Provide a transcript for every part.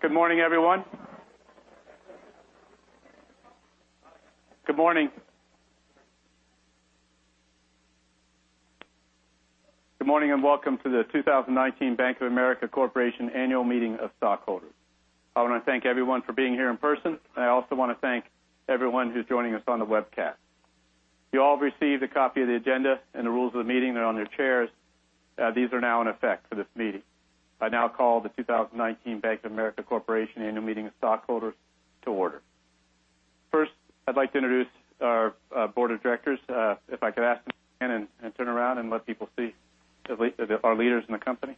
Good morning, everyone. Good morning. Good morning. Welcome to the 2019 Bank of America Corporation Annual Meeting of Stockholders. I want to thank everyone for being here in person, and I also want to thank everyone who's joining us on the webcast. You all have received a copy of the agenda and the rules of the meeting. They're on your chairs. These are now in effect for this meeting. I now call the 2019 Bank of America Corporation Annual Meeting of Stockholders to order. First, I'd like to introduce our board of directors. If I could ask them to stand and turn around and let people see our leaders in the company.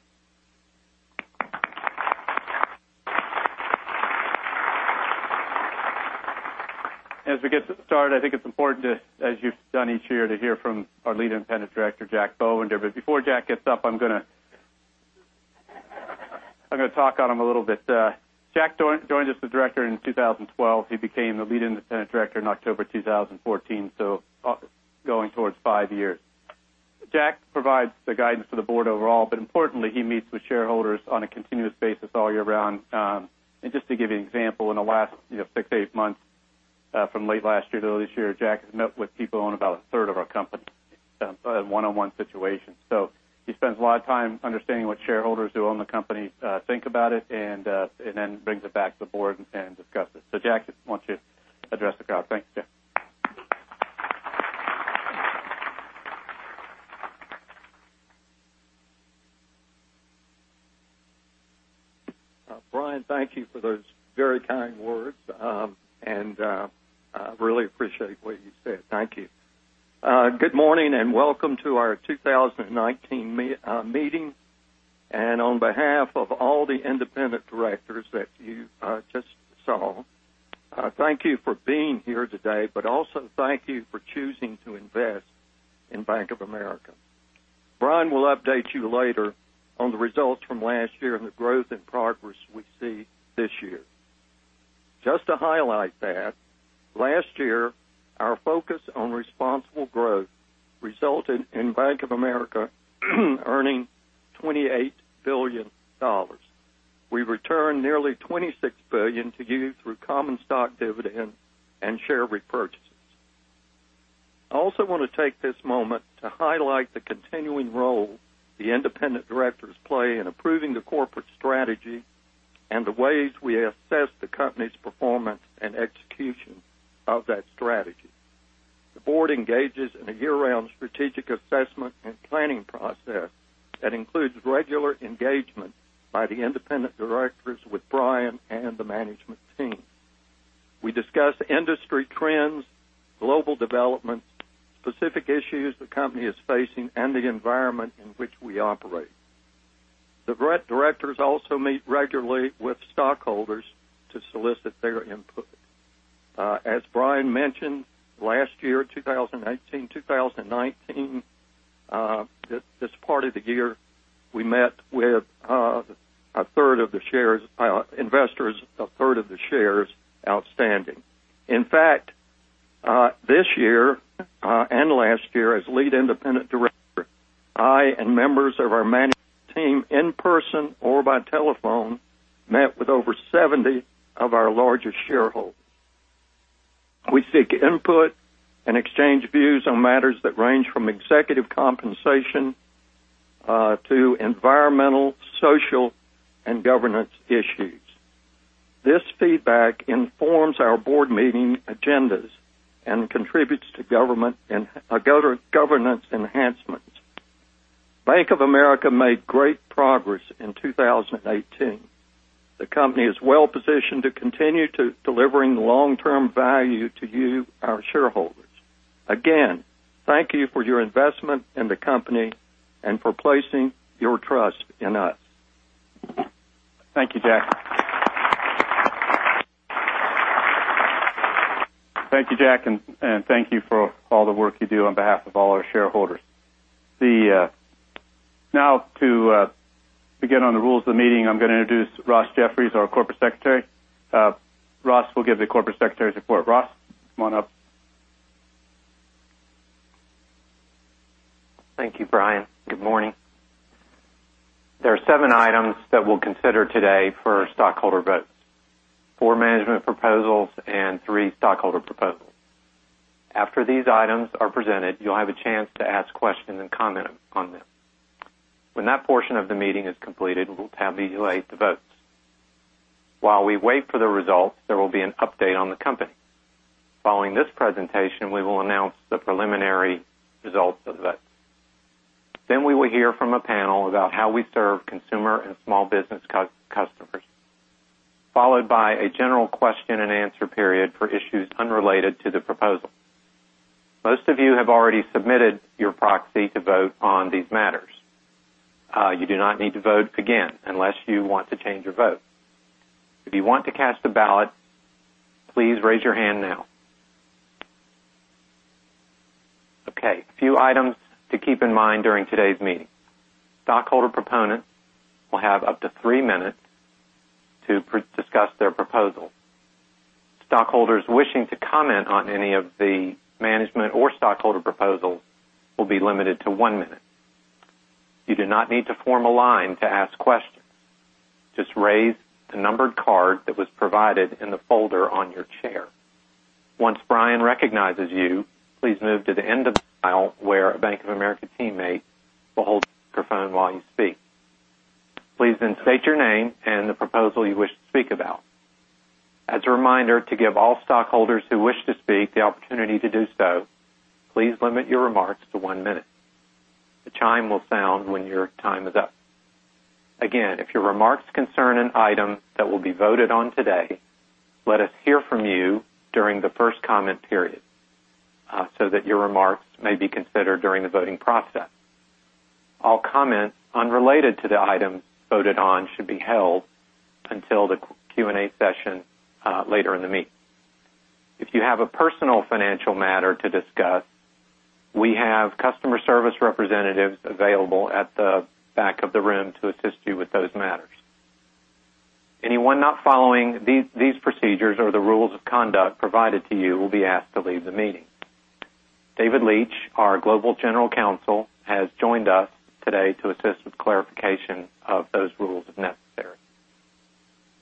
As we get started, I think it's important, as you've done each year, to hear from our Lead Independent Director, Jack Bovender. Before Jack gets up, I'm going to talk on him a little bit. Jack joined us as a director in 2012. He became the Lead Independent Director in October 2014, going towards five years. Jack provides the guidance for the board overall, but importantly, he meets with shareholders on a continuous basis all year round. Just to give you an example, in the last six, eight months, from late last year to early this year, Jack has met with people who own about a third of our company in one-on-one situations. He spends a lot of time understanding what shareholders who own the company think about it and then brings it back to the board and discuss it. Jack, why don't you address the crowd? Thanks, Jack. Brian, thank you for those very kind words. I really appreciate what you said. Thank you. Good morning. Welcome to our 2019 meeting. On behalf of all the independent directors that you just saw, thank you for being here today, but also thank you for choosing to invest in Bank of America. Brian will update you later on the results from last year and the growth and progress we see this year. Just to highlight that, last year, our focus on Responsible Growth resulted in Bank of America earning $28 billion. We returned nearly $26 billion to you through common stock dividend and share repurchases. I also want to take this moment to highlight the continuing role the independent directors play in approving the corporate strategy and the ways we assess the company's performance and execution of that strategy. The board engages in a year-round strategic assessment and planning process that includes regular engagement by the independent directors with Brian and the management team. We discuss industry trends, global developments, specific issues the company is facing, and the environment in which we operate. The directors also meet regularly with stockholders to solicit their input. As Brian mentioned, last year, 2018, 2019, this part of the year, we met with investors, a third of the shares outstanding. In fact, this year and last year as Lead Independent Director, I and members of our management team, in person or by telephone, met with over 70 of our largest shareholders. We seek input and exchange views on matters that range from executive compensation to Environmental, Social, and Governance issues. This feedback informs our board meeting agendas and contributes to governance enhancements. Bank of America made great progress in 2018. The company is well-positioned to continue delivering long-term value to you, our shareholders. Again, thank you for your investment in the company and for placing your trust in us. Thank you, Jack. Thank you, Jack, and thank you for all the work you do on behalf of all our shareholders. To begin on the rules of the meeting, I'm going to introduce Ross Jeffries, our corporate secretary. Ross Jeffries will give the corporate secretary's report. Ross Jeffries, come on up. Thank you, Brian. Good morning. There are seven items that we'll consider today for stockholder votes, four management proposals and three stockholder proposals. After these items are presented, you'll have a chance to ask questions and comment on them. When that portion of the meeting is completed, we'll tabulate the votes. While we wait for the results, there will be an update on the company. Following this presentation, we will announce the preliminary results of the votes. We will hear from a panel about how we serve consumer and small business customers, followed by a general question and answer period for issues unrelated to the proposal. Most of you have already submitted your proxy to vote on these matters. You do not need to vote again unless you want to change your vote. If you want to cast a ballot, please raise your hand now. Okay. A few items to keep in mind during today's meeting. Stockholder proponents will have up to three minutes to discuss their proposal. Stockholders wishing to comment on any of the management or stockholder proposals will be limited to one minute. You do not need to form a line to ask questions. Just raise the numbered card that was provided in the folder on your chair. Once Brian recognizes you, please move to the end of the aisle where a Bank of America teammate will hold the microphone while you speak. Please then state your name and the proposal you wish to speak about. As a reminder, to give all stockholders who wish to speak the opportunity to do so, please limit your remarks to one minute. A chime will sound when your time is up. If your remarks concern an item that will be voted on today, let us hear from you during the first comment period, so that your remarks may be considered during the voting process. All comments unrelated to the item voted on should be held until the Q&A session later in the meeting. If you have a personal financial matter to discuss, we have customer service representatives available at the back of the room to assist you with those matters. Anyone not following these procedures or the rules of conduct provided to you will be asked to leave the meeting. David Leitch, our Global General Counsel, has joined us today to assist with clarification of those rules, if necessary.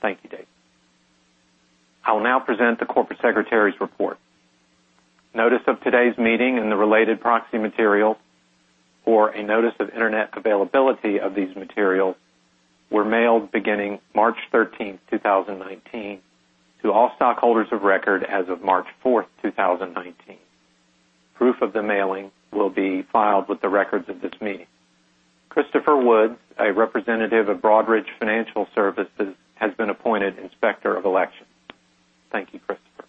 Thank you, David. I will now present the corporate secretary's report. Notice of today's meeting and the related proxy materials or a notice of internet availability of these materials were mailed beginning March 13th, 2019 to all stockholders of record as of March 4th, 2019. Proof of the mailing will be filed with the records of this meeting. Christopher Woods, a representative of Broadridge Financial Solutions, has been appointed Inspector of Election. Thank you, Christopher.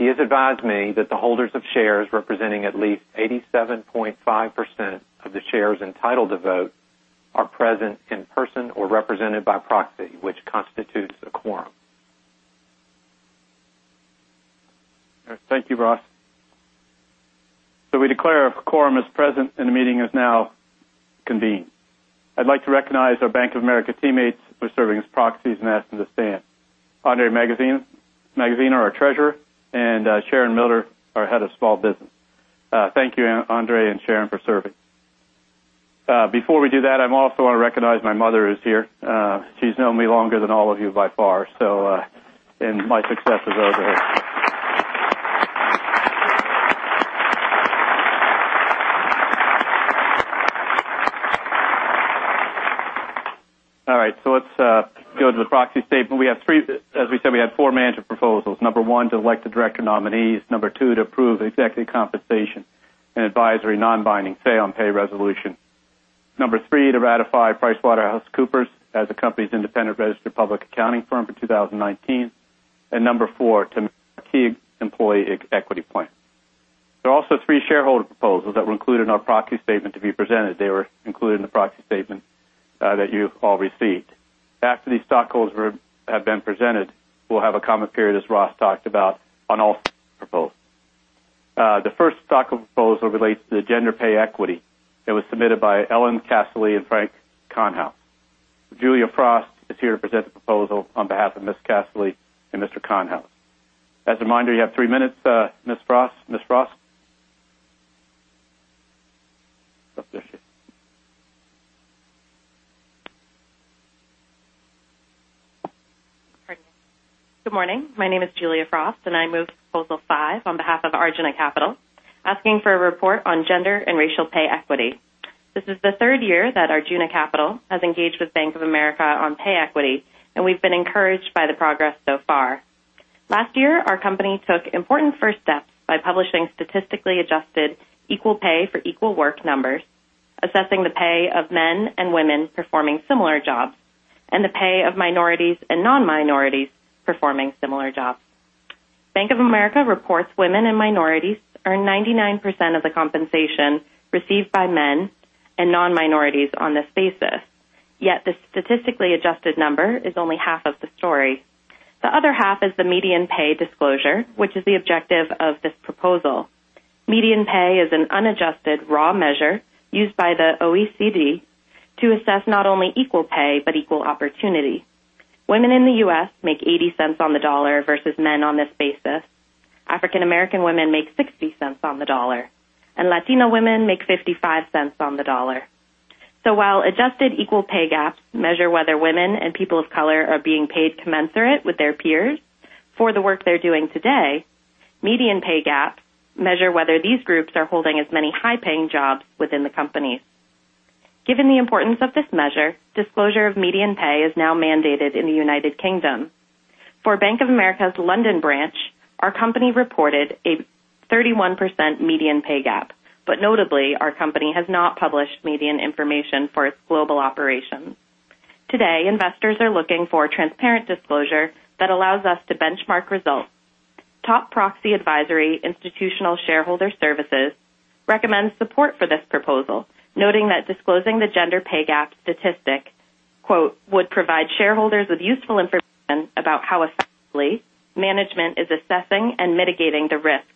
He has advised me that the holders of shares representing at least 87.5% of the shares entitled to vote are present in person or represented by proxy, which constitutes a quorum. All right. Thank you, Ross. We declare a quorum is present, and the meeting is now convened. I'd like to recognize our Bank of America teammates who are serving as proxies and ask them to stand. Andrei Magasiner, our Treasurer, and Sharon Miller, our head of small business. Thank you, Andrei and Sharon, for serving. Before we do that, I also want to recognize my mother, who's here. She's known me longer than all of you by far, and my success is owed to her. All right, let's go to the proxy statement. As we said, we had four management proposals. Number one, to elect the director nominees. Number two, to approve executive compensation and advisory non-binding say on pay resolution. Number three, to ratify PricewaterhouseCoopers as the company's independent registered public accounting firm for 2019. Number four, to amend Key Employee Equity Plan. There are also three shareholder proposals that were included in our proxy statement to be presented. They were included in the proxy statement that you've all received. After these stockholders have been presented, we'll have a comment period, as Ross talked about, on all proposals. The first stockholder proposal relates to the gender pay equity that was submitted by Ellen Casselly and Frank Konhaus. Julia Frost is here to present the proposal on behalf of Ms. Casselly and Mr. Konhaus. As a reminder, you have three minutes, Ms. Frost. Ms. Frost? Oh, there she is. Good morning. My name is Julia Frost. I move proposal five on behalf of Arjuna Capital, asking for a report on gender and racial pay equity. This is the third year that Arjuna Capital has engaged with Bank of America on pay equity. We've been encouraged by the progress so far. Last year, our company took important first steps by publishing statistically adjusted equal pay for equal work numbers, assessing the pay of men and women performing similar jobs, and the pay of minorities and non-minorities performing similar jobs. Bank of America reports women and minorities earn 99% of the compensation received by men and non-minorities on this basis. The statistically adjusted number is only half of the story. The other half is the median pay disclosure, which is the objective of this proposal. Median pay is an unadjusted raw measure used by the OECD to assess not only equal pay, but equal opportunity. Women in the U.S. make $0.80 on the dollar versus men on this basis. African American women make $0.60 on the dollar, and Latina women make $0.55 on the dollar. While adjusted equal pay gaps measure whether women and people of color are being paid commensurate with their peers for the work they're doing today, median pay gap measure whether these groups are holding as many high-paying jobs within the company. Given the importance of this measure, disclosure of median pay is now mandated in the U.K. For Bank of America's London branch, our company reported a 31% median pay gap, notably, our company has not published median information for its global operations. Today, investors are looking for transparent disclosure that allows us to benchmark results. Top proxy advisory Institutional Shareholder Services recommends support for this proposal, noting that disclosing the gender pay gap statistic, quote, "Would provide shareholders with useful information about how effectively management is assessing and mitigating the risks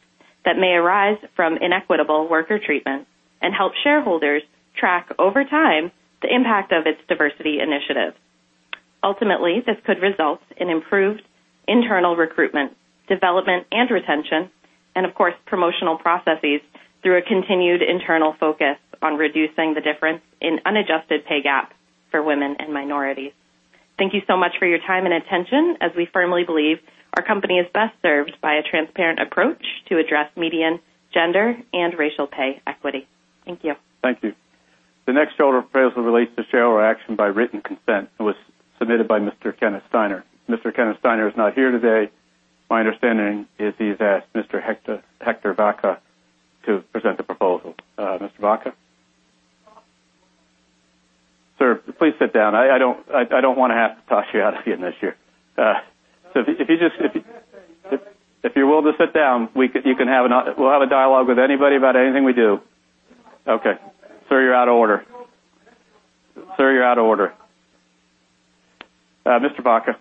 that may arise from inequitable worker treatment and help shareholders track over time the impact of its diversity initiative." This could result in improved internal recruitment, development and retention, and of course, promotional processes through a continued internal focus on reducing the difference in unadjusted pay gap for women and minorities. Thank you so much for your time and attention, as we firmly believe our company is best served by a transparent approach to address median gender and racial pay equity. Thank you. Thank you. The next shareholder proposal relates to shareholder action by written consent and was submitted by Mr. Kenneth Steiner. Mr. Kenneth Steiner is not here today. My understanding is he's asked Mr. Hector Vaca to present the proposal. Mr. Vaca? Sir, please sit down. I don't want to have to toss you out again this year. If you're willing to sit down, we'll have a dialogue with anybody about anything we do. Okay, sir, you're out of order. Sir, you're out of order. Mr. Vaca.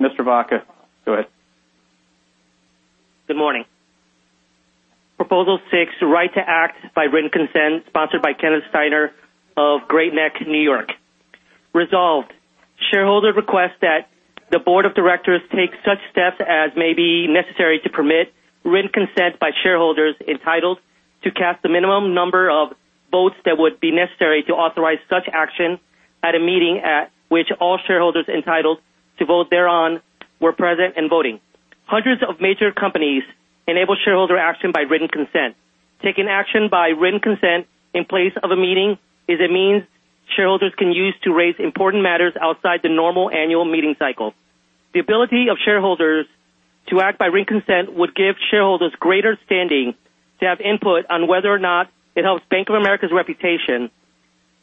Mr. Vaca, go ahead. Good morning. Proposal six, right to act by written consent, sponsored by Kenneth Steiner of Great Neck, New York. Resolved, shareholder requests that the board of directors take such steps as may be necessary to permit written consent by shareholders entitled to cast the minimum number of votes that would be necessary to authorize such action at a meeting at which all shareholders entitled to vote thereon were present and voting. Hundreds of major companies enable shareholder action by written consent. Taking action by written consent in place of a meeting is a means shareholders can use to raise important matters outside the normal annual meeting cycle. The ability of shareholders to act by written consent would give shareholders greater standing to have input on whether or not it helps Bank of America's reputation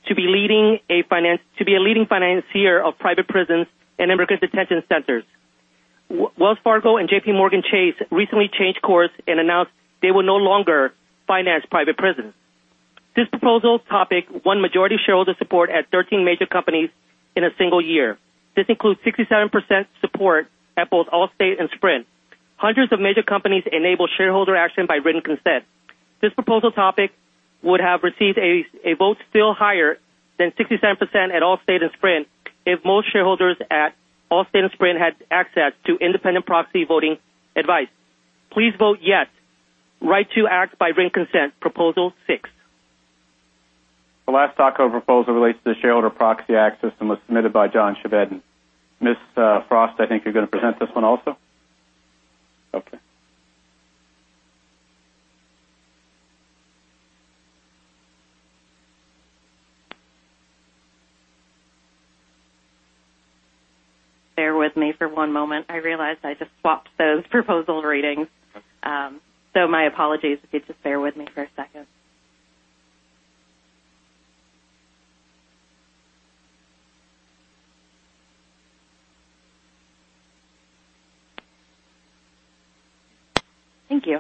to be a leading financier of private prisons and immigrant detention centers. Wells Fargo and JPMorgan Chase recently changed course and announced they will no longer finance private prisons. This proposal topic won majority shareholder support at 13 major companies in a single year. This includes 67% support at both Allstate and Sprint. Hundreds of major companies enable shareholder action by written consent. This proposal topic would have received a vote still higher than 67% at Allstate and Sprint if most shareholders at Allstate and Sprint had access to independent proxy voting advice. Please vote yes. Right to act by written consent, proposal six. The last stock proposal relates to the shareholder proxy access and was submitted by John Chevedden. Ms. Frost, I think you're going to present this one also? Okay. Bear with me for one moment. I realize I just swapped those proposal readings. Okay. My apologies if you'd just bear with me for a second. Thank you.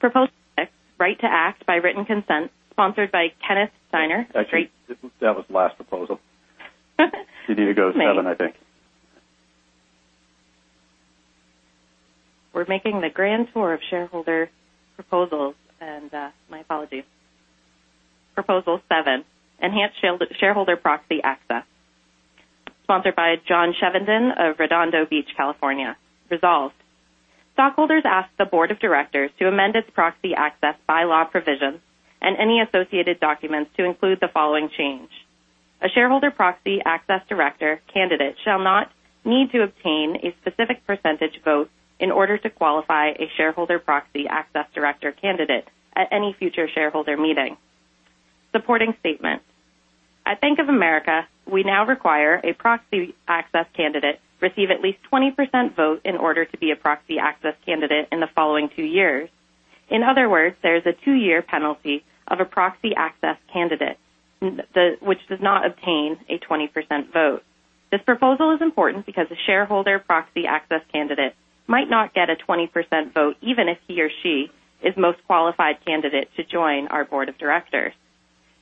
Proposal 6, right to act by written consent, sponsored by Kenneth Steiner. Actually, that was the last proposal. You need to go to 7, I think. We're making the grand tour of shareholder proposals, and my apologies. Proposal 7, enhanced shareholder proxy access, sponsored by John Chevedden of Redondo Beach, California. Resolved. Stockholders ask the board of directors to amend its proxy access bylaw provisions and any associated documents to include the following change. A shareholder proxy access director candidate shall not need to obtain a specific percentage vote in order to qualify a shareholder proxy access director candidate at any future shareholder meeting. Supporting statement. At Bank of America, we now require a proxy access candidate receive at least 20% vote in order to be a proxy access candidate in the following 2 years. In other words, there is a 2-year penalty of a proxy access candidate which does not obtain a 20% vote. This proposal is important because a shareholder proxy access candidate might not get a 20% vote even if he or she is most qualified candidate to join our board of directors.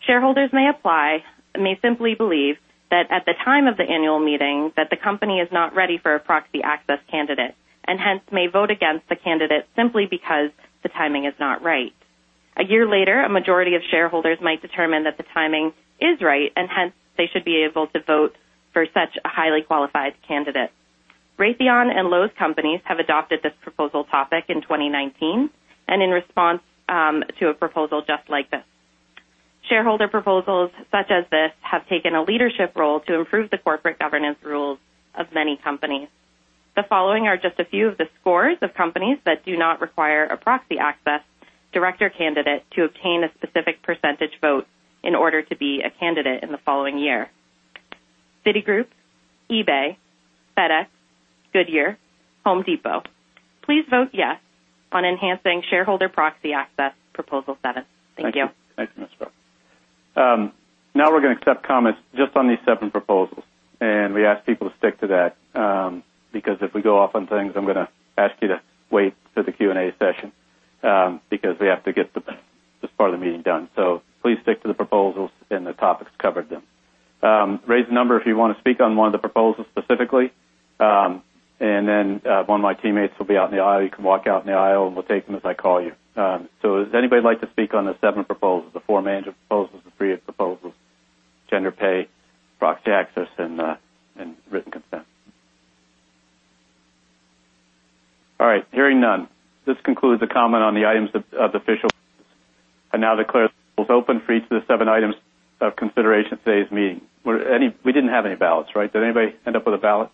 Shareholders may apply, may simply believe that at the time of the annual meeting, that the company is not ready for a proxy access candidate, and hence may vote against the candidate simply because the timing is not right. A year later, a majority of shareholders might determine that the timing is right, and hence, they should be able to vote for such a highly qualified candidate. Raytheon and Lowe's Companies have adopted this proposal topic in 2019 and in response to a proposal just like this. Shareholder proposals such as this have taken a leadership role to improve the corporate governance rules of many companies. The following are just a few of the scores of companies that do not require a proxy access director candidate to obtain a specific percentage vote in order to be a candidate in the following year. Citigroup, eBay, FedEx, Goodyear, The Home Depot. Please vote yes on enhancing shareholder proxy access proposal seven. Thank you. Thank you, Ms. Frost. We're going to accept comments just on these seven proposals, and we ask people to stick to that, because if we go off on things, I'm going to ask you to wait for the Q&A session, because we have to get this part of the meeting done. Please stick to the proposals and the topics covered then. Raise a number if you want to speak on one of the proposals specifically. One of my teammates will be out in the aisle. You can walk out in the aisle, and we'll take them as I call you. Does anybody like to speak on the seven proposals? The four management proposals, the three proposals, gender pay, proxy access, and written consent. All right. Hearing none, this concludes the comment on the items of the official. I declare the polls open for each of the seven items of consideration at today's meeting. We didn't have any ballots, right? Did anybody end up with a ballot?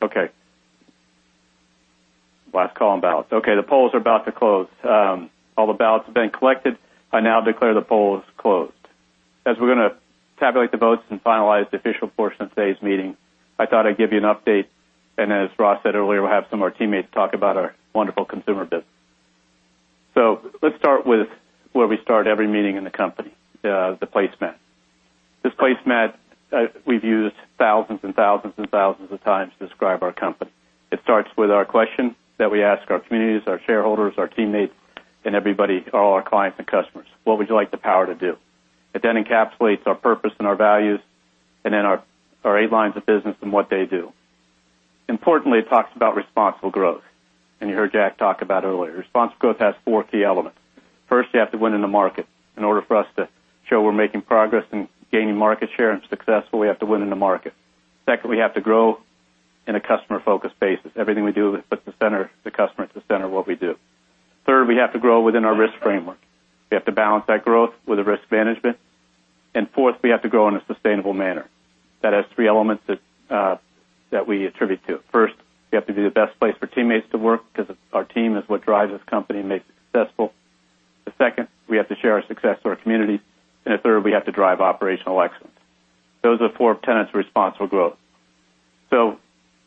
Okay. Last call on ballots. Okay, the polls are about to close. All the ballots have been collected. I now declare the polls closed. As we're going to tabulate the votes and finalize the official portion of today's meeting, I thought I'd give you an update, and as Ross said earlier, we'll have some of our teammates talk about our wonderful consumer business. Let's start with where we start every meeting in the company, the placemat. This placemat we've used thousands and thousands and thousands of times to describe our company. It starts with our question that we ask our communities, our shareholders, our teammates, and everybody, all our clients and customers. What would you like the power to do? It encapsulates our purpose and our values and our eight lines of business and what they do. Importantly, it talks about responsible growth, and you heard Jack talk about it earlier. Responsible growth has four key elements. First, you have to win in the market. In order for us to show we're making progress in gaining market share and successful, we have to win in the market. Second, we have to grow in a customer-focused basis. Everything we do puts the customer at the center of what we do. Third, we have to grow within our risk framework. We have to balance that growth with the risk management. Fourth, we have to grow in a sustainable manner. That has three elements that we attribute to it. First, we have to be the best place for teammates to work because our team is what drives this company and makes it successful. Second, we have to share our success to our community. Third, we have to drive operational excellence. Those are the four tenets of responsible growth.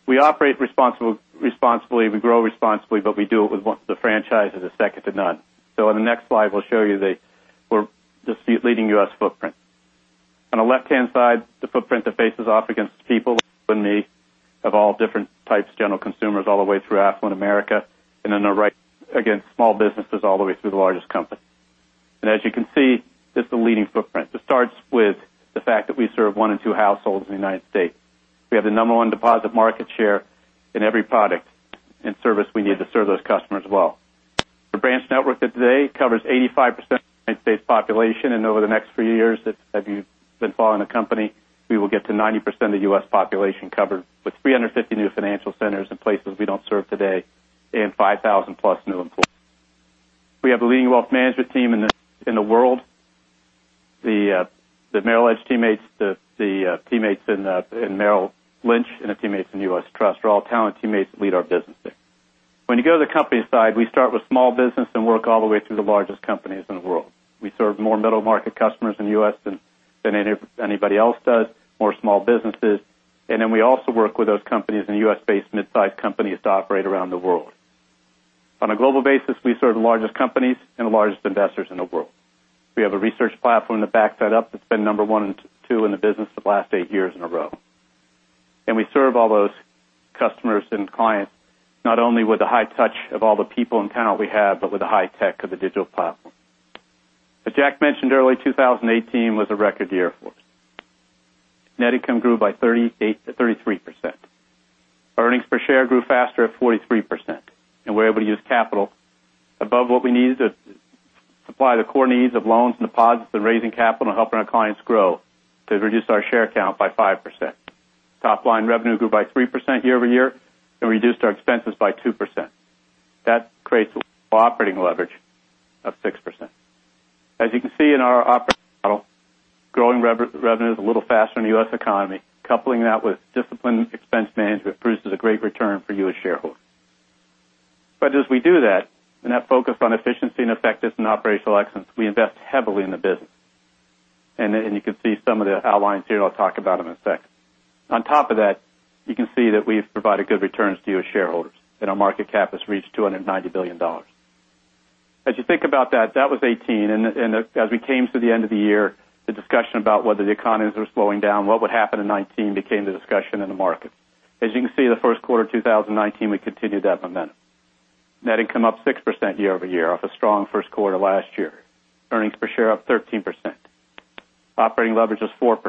We operate responsibly, we grow responsibly, we do it with the franchise that is second to none. On the next slide, we'll show you the leading U.S. footprint. On the left-hand side, the footprint that faces off against people of all different types, general consumers, all the way through affluent America, and on the right, again, small businesses all the way through the largest company. As you can see, it's a leading footprint. This starts with the fact that we serve one in two households in the United States. We have the number 1 deposit market share in every product and service we need to serve those customers well. Our branch network today covers 85% of the United States population, and over the next few years, if you've been following the company, we will get to 90% of the U.S. population covered with 350 new financial centers in places we don't serve today and 5,000+ new employees. We have a leading wealth management team in the world. The Merrill Edge teammates, the teammates in Merrill Lynch, and the teammates in U.S. Trust are all talented teammates that lead our business there. When you go to the company side, we start with small business and work all the way through the largest companies in the world. We serve more middle-market customers in the U.S. than anybody else does, more small businesses. We also work with those companies in U.S.-based midsize companies to operate around the world. On a global basis, we serve the largest companies and the largest investors in the world. We have a research platform to back that up. It's been number 1 and 2 in the business for the last 8 years in a row. We serve all those customers and clients not only with the high touch of all the people and talent we have, but with the high tech of the digital platform. As Jack mentioned earlier, 2018 was a record year for us. Net income grew by 38%, 33%. Earnings per share grew faster at 43%. We're able to use capital above what we need to supply the core needs of loans and deposits and raising capital and helping our clients grow to reduce our share count by 5%. Top-line revenue grew by 3% year-over-year, and we reduced our expenses by 2%. That creates operating leverage of 6%. As you can see in our operating model, growing revenue is a little faster than the U.S. economy. Coupling that with disciplined expense management produces a great return for you as shareholders. As we do that, in that focus on efficiency and effectiveness and operational excellence, we invest heavily in the business. You can see some of the outlines here. I'll talk about them in a sec. On top of that, you can see that we've provided good returns to you as shareholders, and our market cap has reached $290 billion. As you think about that was 2018, and as we came to the end of the year, the discussion about whether the economies were slowing down, what would happen in 2019 became the discussion in the market. As you can see, the first quarter 2019, we continued that momentum. Net income up 6% year-over-year off a strong first quarter last year. Earnings per share up 13%. Operating leverage is 4%.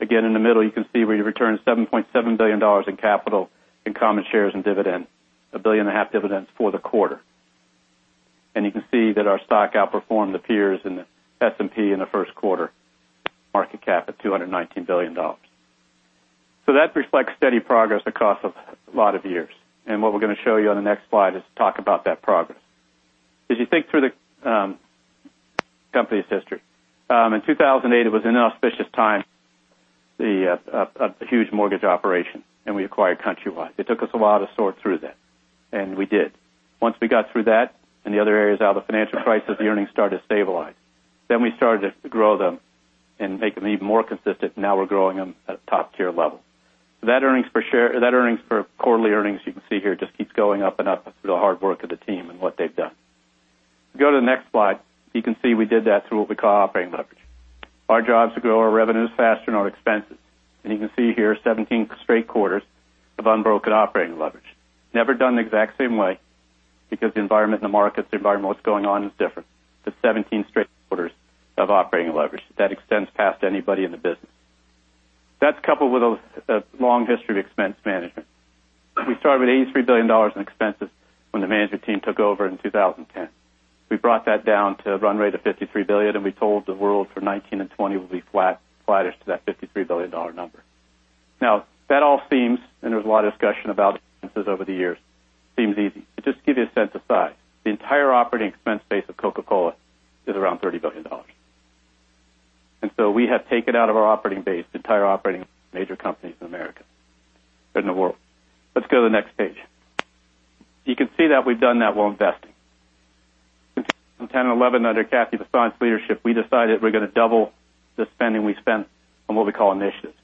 Again, in the middle, you can see we returned $7.7 billion in capital in common shares and dividend, a billion and a half dividends for the quarter. You can see that our stock outperformed the peers in the S&P in the first quarter, market cap at $219 billion. That reflects steady progress across a lot of years. What we're going to show you on the next slide is to talk about that progress. As you think through the company's history, in 2008, it was an inauspicious time, a huge mortgage operation, and we acquired Countrywide. It took us a while to sort through that, and we did. Once we got through that and the other areas out of the financial crisis, the earnings started to stabilize. We started to grow them and make them even more consistent. We're growing them at a top-tier level. That earnings per share, that earnings for quarterly earnings, you can see here, just keeps going up and up through the hard work of the team and what they've done. If you go to the next slide, you can see we did that through what we call operating leverage. Our job is to grow our revenues faster than our expenses. You can see here 17 straight quarters of unbroken operating leverage. Never done the exact same way because the environment in the markets, the environment, what's going on is different. It's 17 straight quarters of operating leverage that extends past anybody in the business. That's coupled with a long history of expense management. We started with $83 billion in expenses when the management team took over in 2010. We brought that down to a run rate of $53 billion. We told the world for 2019 and 2020, we'll be flattish to that $53 billion number. That all seems, and there was a lot of discussion about expenses over the years, seems easy. To just give you a sense of size, the entire operating expense base of Coca-Cola is around $30 billion. We have taken out of our operating base the entire operating major companies in America and the world. Let's go to the next page. You can see that we've done that while investing. In 2010 and 2011, under Cathy Bessant's leadership, we decided we're going to double the spending we spent on what we call initiatives.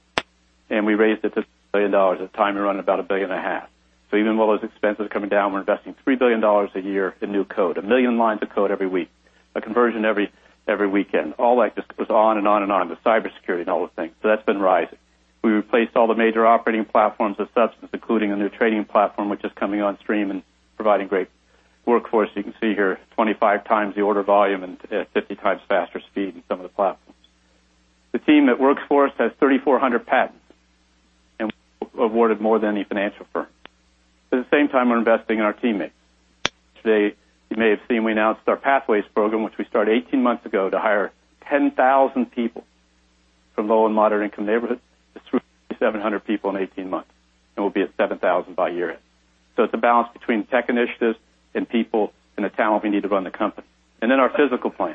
We raised it to billion dollars. At the time, we run about a billion and a half. Even while those expenses are coming down, we're investing $3 billion a year in new code, 1 million lines of code every week, 1 conversion every weekend. All that just goes on and on and on, the cybersecurity and all those things. That's been rising. We replaced all the major operating platforms of substance, including a new trading platform, which is coming on stream and providing great workforce. You can see here 25 times the order volume and at 50 times faster speed in some of the platforms. The team that works for us has 3,400 patents and awarded more than any financial firm. At the same time, we're investing in our teammates. Today, you may have seen we announced our Pathways program, which we started 18 months ago to hire 10,000 people from low and moderate-income neighborhoods. We're through 700 people in 18 months, and we'll be at 7,000 by year-end. It's a balance between tech initiatives and people and the talent we need to run the company. Our physical plan.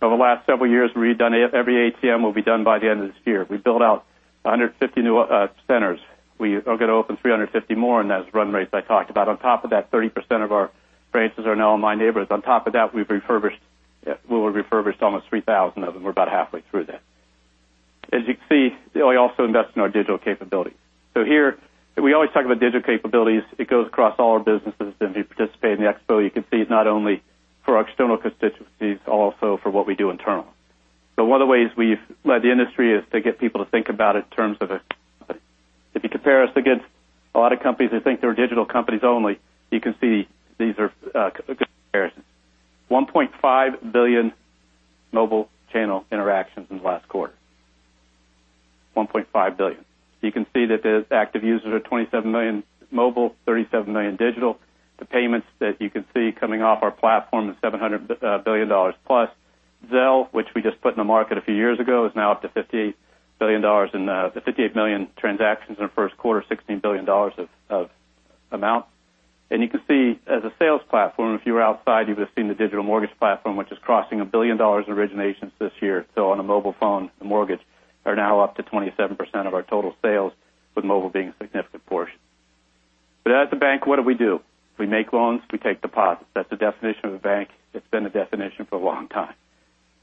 Over the last several years, we've redone every ATM will be done by the end of this year. We built out 150 new centers. We are going to open 350 more in those run rates I talked about. On top of that, 30% of our branches are now in LMI neighborhoods. On top of that, we will have refurbished almost 3,000 of them. We're about halfway through that. As you can see, we also invest in our digital capabilities. Here, we always talk about digital capabilities. It goes across all our businesses. If you participate in the expo, you can see it's not only for our external constituencies, also for what we do internal. One of the ways we've led the industry is to get people to think about it in terms of a company. If you compare us against a lot of companies that think they're digital companies only, you can see these are good comparisons. $1.5 billion mobile channel interactions in the last quarter. $1.5 billion. You can see that the active users are 27 million mobile, 37 million digital. The payments that you can see coming off our platform is $700 billion plus. Zelle, which we just put in the market a few years ago, is now up to 58 million transactions in the first quarter, $16 billion of amount. You can see as a sales platform, if you were outside, you would have seen the digital mortgage platform, which is crossing $1 billion in originations this year. On a mobile phone, the mortgage are now up to 27% of our total sales, with mobile being a significant portion. As a bank, what do we do? We make loans, we take deposits. That's the definition of a bank. It's been the definition for a long time.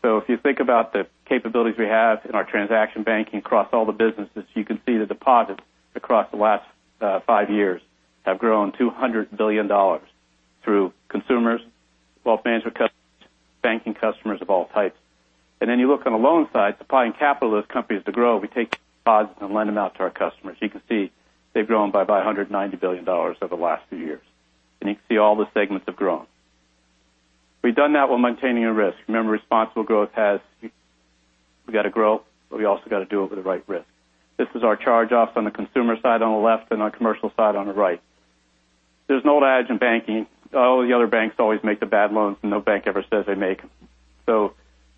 If you think about the capabilities we have in our transaction banking across all the businesses, you can see the deposits across the last five years have grown $200 billion through consumers, wealth management customers, banking customers of all types. You look on the loan side, supplying capital to those companies to grow. We take deposits and lend them out to our customers. You can see they've grown by $190 billion over the last few years. You can see all the segments have grown. We've done that while maintaining a risk. Remember, responsible growth, we got to grow, but we also got to do it with the right risk. This is our charge-offs on the consumer side on the left and our commercial side on the right. There's an old adage in banking, all the other banks always make the bad loans, and no bank ever says they make them.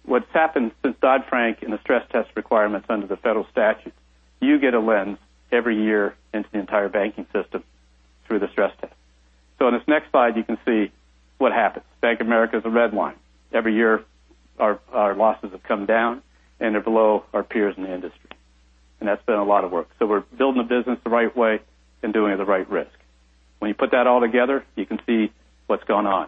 What's happened since Dodd-Frank and the stress test requirements under the federal statute, you get a lens every year into the entire banking system through the stress test. In this next slide, you can see what happens. Bank of America is the red line. Every year, our losses have come down, and they're below our peers in the industry. That's been a lot of work. We're building the business the right way and doing it at the right risk. When you put that all together, you can see what's going on.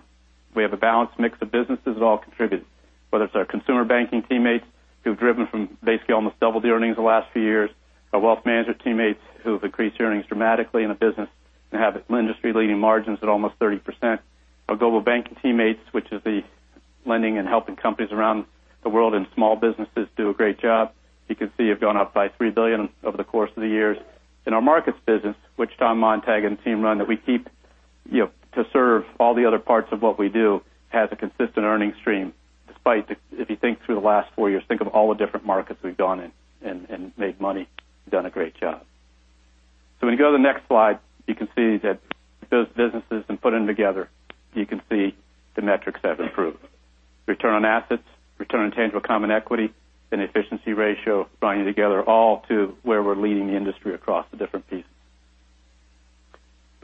We have a balanced mix of businesses that all contributed, whether it's our consumer banking teammates who've driven from basically almost double the earnings the last few years, our wealth management teammates who have increased earnings dramatically in the business and have industry-leading margins at almost 30%, our global banking teammates, which is the lending and helping companies around the world and small businesses do a great job. You can see have gone up by $3 billion over the course of the years. In our markets business, which Tom Montag and team run that we keep to serve all the other parts of what we do, has a consistent earning stream, despite if you think through the last four years, think of all the different markets we've gone in and made money, done a great job. When you go to the next slide, you can see that those businesses and put them together, you can see the metrics have improved. Return on assets, return on tangible common equity, and efficiency ratio binding together all to where we're leading the industry across the different pieces.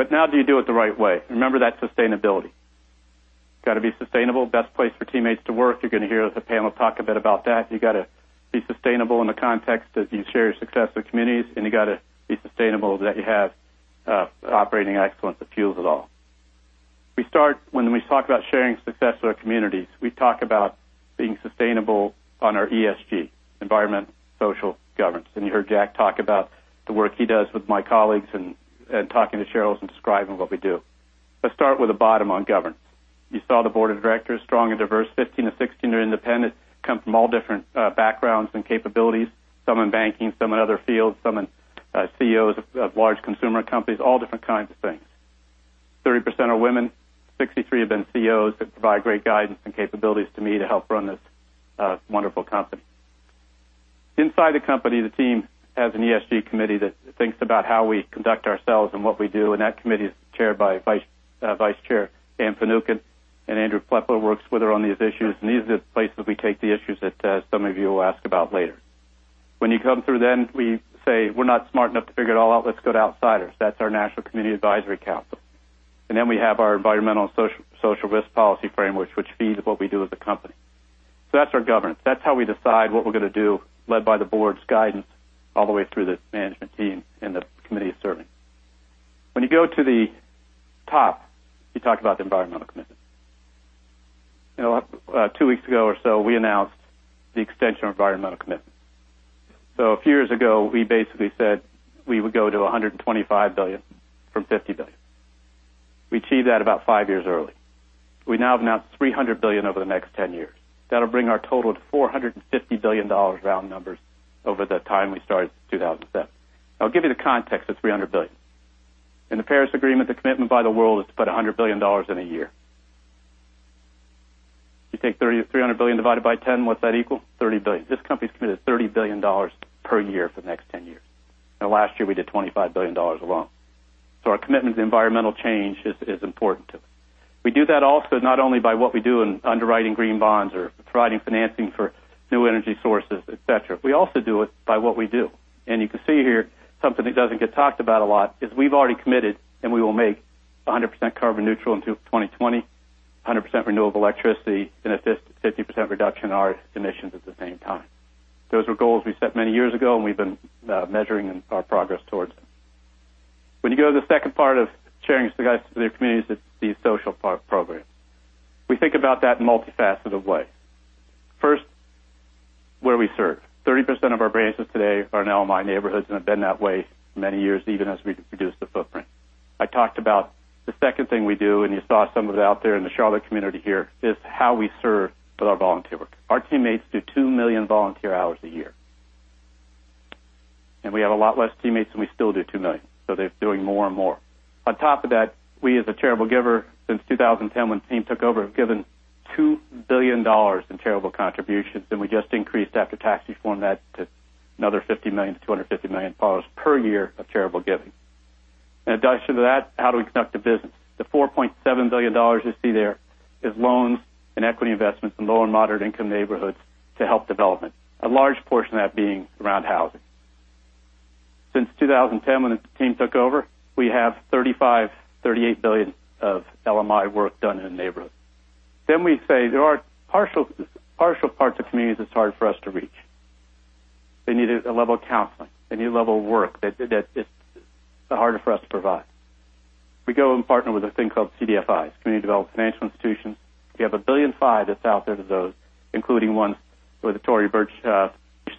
Now, do you do it the right way? Remember that sustainability. Got to be sustainable. Best place for teammates to work. You're going to hear the panel talk a bit about that. You got to be sustainable in the context as you share your success with communities, you got to be sustainable that you have operating excellence that fuels it all. When we talk about sharing success with our communities, we talk about being sustainable on our ESG, environmental, social, governance. You heard Jack talk about the work he does with my colleagues and talking to Cheryl and describing what we do. Let's start with the bottom on governance. You saw the board of directors, strong and diverse. 15 of 16 are independent, come from all different backgrounds and capabilities, some in banking, some in other fields, some in CEOs of large consumer companies, all different kinds of things. 30% are women, 63 have been CEOs that provide great guidance and capabilities to me to help run this wonderful company. Inside the company, the team has an ESG committee that thinks about how we conduct ourselves and what we do. That committee is chaired by Vice Chair Anne Finucane, and Andrew Plepler works with her on these issues. These are the places we take the issues that some of you will ask about later. When you come through, we say, we're not smart enough to figure it all out. Let's go to outsiders. That's our National Community Advisory Council. We have our environmental social risk policy framework, which feeds what we do as a company. That's our governance. That's how we decide what we're going to do, led by the board's guidance all the way through the management team and the committee it's serving. When you go to the top, you talk about the environmental commitment. Two weeks ago or so, we announced the extension of environmental commitment. A few years ago, we basically said we would go to $125 billion from $50 billion. We achieved that about five years early. We now have announced $300 billion over the next 10 years. That'll bring our total to $450 billion round numbers over the time we started in 2007. I'll give you the context of $300 billion. In the Paris Agreement, the commitment by the world is to put $100 billion in a year. You take $300 billion divided by 10, what's that equal? $30 billion. This company's committed $30 billion per year for the next 10 years. Last year, we did $25 billion alone. Our commitment to environmental change is important to us. We do that also not only by what we do in underwriting green bonds or providing financing for new energy sources, et cetera. We also do it by what we do. You can see here something that doesn't get talked about a lot is we've already committed, and we will make 100% carbon neutral in 2020, 100% renewable electricity, and a 50% reduction in our emissions at the same time. Those were goals we set many years ago, and we've been measuring our progress towards them. When you go to the second part of sharing this with guys, with their communities, it's the social part program. We think about that in a multifaceted way. First, where we serve. 30% of our branches today are now in LMI neighborhoods and have been that way many years, even as we reduce the footprint. I talked about the second thing we do, and you saw some of it out there in the Charlotte community here, is how we serve with our volunteer work. Our teammates do 2 million volunteer hours a year. We have a lot less teammates than we still do 2 million. They're doing more and more. On top of that, we as a charitable giver since 2010 when the team took over, have given $2 billion in charitable contributions, and we just increased after-tax reform that to another $50 million to $250 million per year of charitable giving. In addition to that, how do we conduct a business? The $4.7 billion you see there is loans and equity investments in low and moderate-income neighborhoods to help development. A large portion of that being around housing. Since 2010, when the team took over, we have $35 billion-$38 billion of LMI work done in the neighborhood. We say there are partial parts of communities that's hard for us to reach. They need a level of counseling. They need a level of work that is harder for us to provide. We go and partner with a thing called CDFIs, Community Development Financial Institutions. We have $1.5 billion that's out there to those, including one with the Tory Burch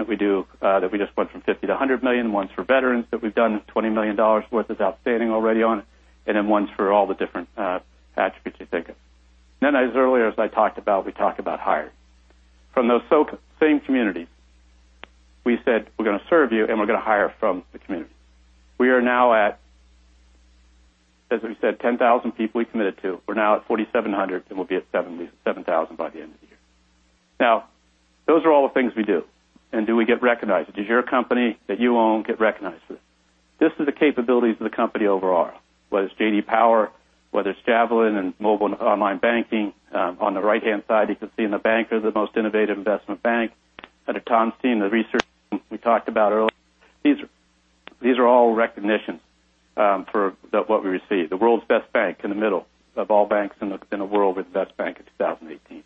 initiative we do that we just went from $50 million to $100 million, one's for veterans that we've done $20 million worth is outstanding already on it, and then one's for all the different attributes you think of. As earlier as I talked about, we talk about hiring. From those same communities, we said we're going to serve you, and we're going to hire from the community. We are now at, as we said, 10,000 people we committed to. We're now at 4,700, and we'll be at 7,000 by the end of the year. Those are all the things we do. Do we get recognized? Does your company that you own get recognized for this? This is the capabilities of the company overall, whether it's J.D. Power, whether it's Javelin and mobile and online banking. On the right-hand side, you can see in the bank, they're the most innovative investment bank. Under Tom's team, the research we talked about earlier. These are all recognitions for what we receive. The world's best bank in the middle of all banks in the world. We're the best bank in 2018.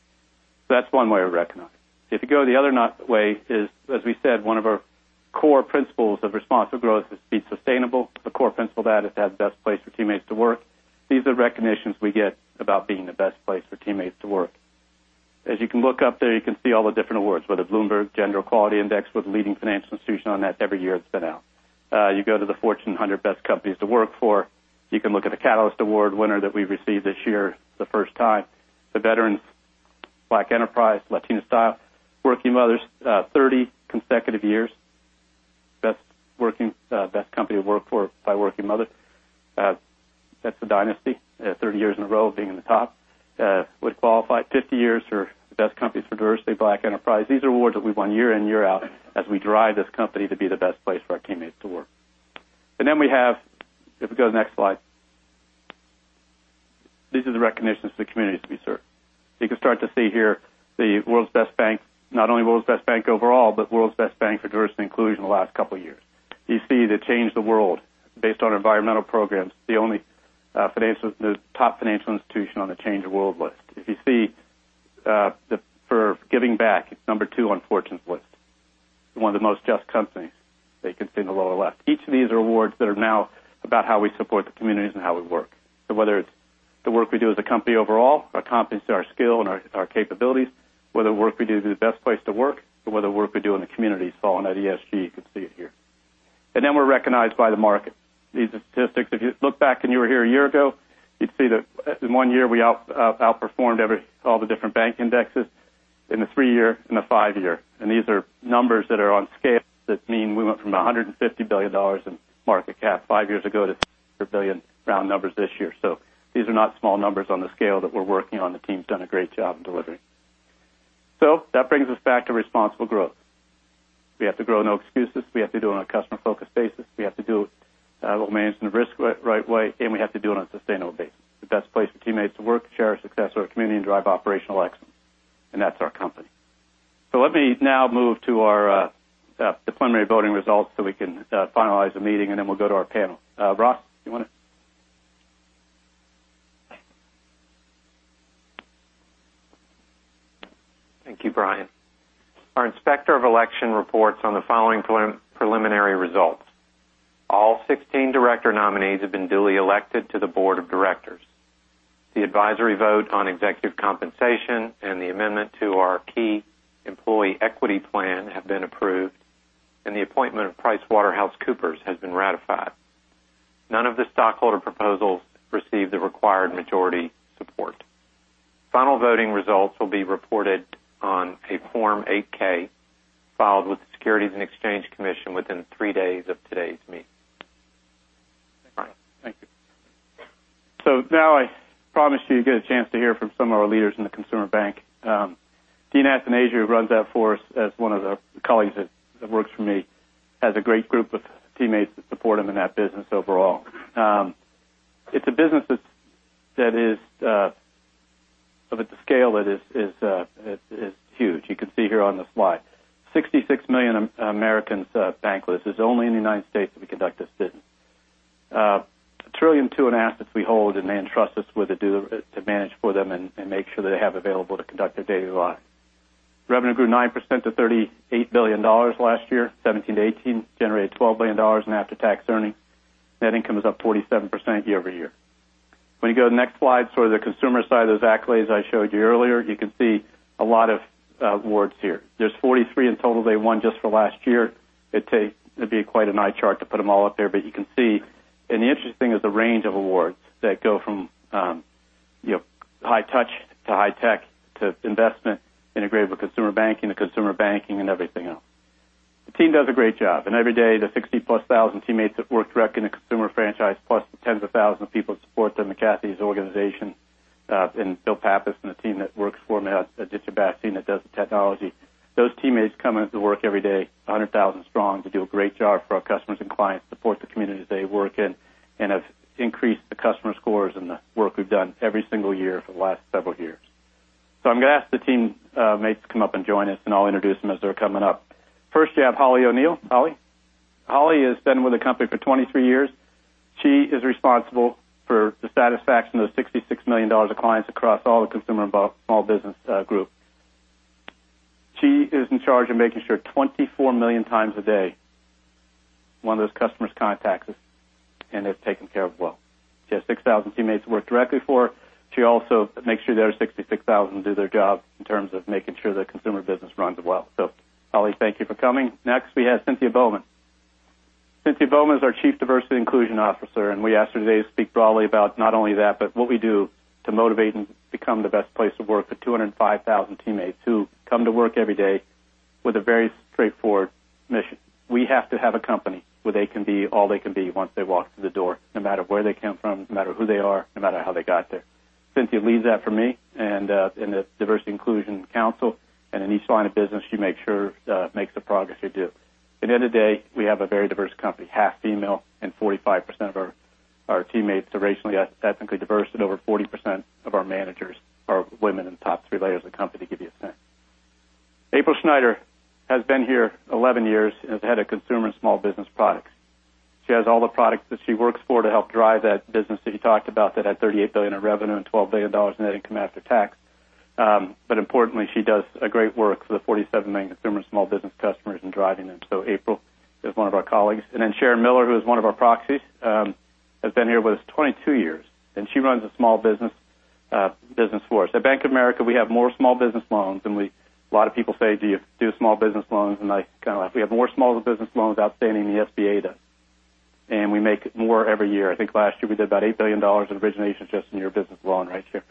That's one way we're recognized. If you go the other way is, as we said, one of our core principles of responsible growth is to be sustainable. A core principle of that is to have the best place for teammates to work. These are recognitions we get about being the best place for teammates to work. As you can look up there, you can see all the different awards, whether Bloomberg Gender-Equality Index, we're the leading financial institution on that every year it's been out. You go to the Fortune 100 Best Companies to Work For. You can look at the Catalyst Award winner that we received this year for the first time. The Veterans, Black Enterprise, Latina Style, Working Mother, 30 consecutive years. Best company to work for by Working Mother. That's a dynasty, 30 years in a row of being in the top. We qualify 50 years for the best companies for diversity, Black Enterprise. These are awards that we won year in, year out as we drive this company to be the best place for our teammates to work. We have, if we go to the next slide. These are the recognitions to the communities we serve. You can start to see here the world's best bank, not only world's best bank overall, but world's best bank for diversity and inclusion the last couple of years. You see the Change the World based on environmental programs, the only top financial institution on the Change the World list. If you see for giving back, it's number 2 on Fortune's list. One of the most just companies that you can see in the lower left. Each of these are awards that are now about how we support the communities and how we work. Whether it's the work we do as a company overall, our competency, our skill, and our capabilities, whether the work we do is the best place to work, or whether the work we do in the community, you saw in that ESG, you can see it here. Then we're recognized by the market. These are statistics. If you look back and you were here a year ago, you'd see that in one year we outperformed all the different bank indexes in the three-year and the five-year. These are numbers that are on scale that mean we went from $150 billion in market cap five years ago to over $1 billion round numbers this year. These are not small numbers on the scale that we're working on. The team's done a great job in delivering. That brings us back to responsible growth. We have to grow with no excuses. We have to do it on a customer-focused basis. We have to do it while managing the risk the right way, and we have to do it on a sustainable basis. The best place for teammates to work, share our success with our community, and drive operational excellence. That's our company. Let me now move to our preliminary voting results so we can finalize the meeting, then we'll go to our panel. Ross, you want to? Thank you, Brian. Our Inspector of Election reports on the following preliminary results. All 16 director nominees have been duly elected to the board of directors. The advisory vote on executive compensation and the amendment to our key employee equity plan have been approved, and the appointment of PricewaterhouseCoopers has been ratified. None of the stockholder proposals received the required majority support. Final voting results will be reported on a Form 8-K filed with the Securities and Exchange Commission within three days of today's meeting. Thank you. Now I promise you get a chance to hear from some of our leaders in the consumer bank. Dean Athanasia runs that for us as one of the colleagues that works for me, has a great group of teammates that support him in that business overall. It's a business that the scale is huge. You can see here on the slide. 66 million Americans are bankless. It's only in the U.S. that we conduct this business. $1.2 trillion in assets we hold and they entrust us with to manage for them and make sure they have available to conduct their daily lives. Revenue grew 9% to $38 billion last year, 2017 to 2018. Generated $12 billion in after-tax earnings. Net income is up 47% year-over-year. When you go to the next slide, the consumer side of those accolades I showed you earlier, you can see a lot of awards here. There's 43 in total they won just for last year. It'd be quite an eye chart to put them all up there, but you can see. The interesting thing is the range of awards that go from high touch to high tech to investment, integrated with consumer banking to consumer banking and everything else. The team does a great job, and every day, the 60-plus thousand teammates that work direct in the consumer franchise plus the tens of thousands of people that support them, McCarthy's organization, and Bill Pappas and the team that works for him, Aditya Bhasin team that does the technology. Those teammates come into work every day, 100,000 strong, to do a great job for our customers and clients, support the communities they work in, and have increased the customer scores and the work we've done every single year for the last several years. I'm going to ask the teammates to come up and join us, and I'll introduce them as they're coming up. First, you have Holly O'Neill. Holly? Holly has been with the company for 23 years. She is responsible for the satisfaction of the $66 million of clients across all the consumer and small business group. She is in charge of making sure 24 million times a day, one of those customers contacts us and they're taken care of well. She has 6,000 teammates to work directly for. She also makes sure those 66,000 do their job in terms of making sure the consumer business runs well. Holly, thank you for coming. Next, we have Cynthia Bowman. Cynthia Bowman is our Chief Diversity and Inclusion Officer, and we asked her today to speak broadly about not only that, but what we do to motivate and become the best place to work for 205,000 teammates who come to work every day with a very straightforward mission. We have to have a company where they can be all they can be once they walk through the door, no matter where they come from, no matter who they are, no matter how they got there. Cynthia leads that for me and the Diversity and Inclusion Council, and in each line of business, she makes sure makes the progress we do. At the end of the day, we have a very diverse company, half female, and 45% of our teammates are racially, ethnically diverse, and over 40% of our managers are women in the top three layers of the company, to give you a sense. April Schneider has been here 11 years and is Head of Consumer and Small Business Products. She has all the products that she works for to help drive that business that you talked about that had $38 billion in revenue and $12 billion in net income after tax. Importantly, she does great work for the 47 million consumer and small business customers in driving them. April is one of our colleagues. Sharon Miller, who is one of our proxies, has been here with us 22 years, and she runs the small business for us. At Bank of America, we have more small business loans than we. A lot of people say, "Do you do small business loans?" I kind of like, "We have more small business loans outstanding than the SBA does." We make more every year. I think last year we did about $8 billion in originations just in your business loan right here.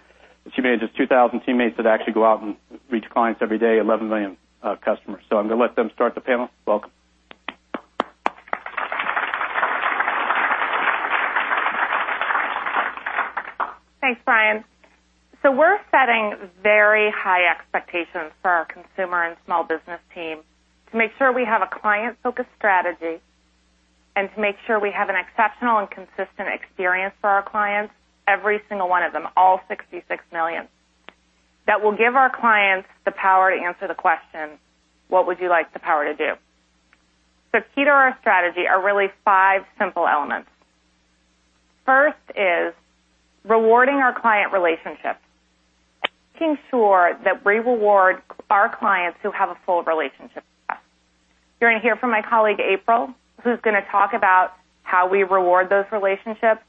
She manages 2,000 teammates that actually go out and reach clients every day, 11 million customers. I'm going to let them start the panel. Welcome. Thanks, Brian. We're setting very high expectations for our consumer and small business team to make sure we have a client-focused strategy and to make sure we have an exceptional and consistent experience for our clients, every single one of them, all 66 million, that will give our clients the power to answer the question: what would you like the power to do? Key to our strategy are really five simple elements. First is rewarding our client relationships, making sure that we reward our clients who have a full relationship with us. You're going to hear from my colleague April, who's going to talk about how we reward those relationships.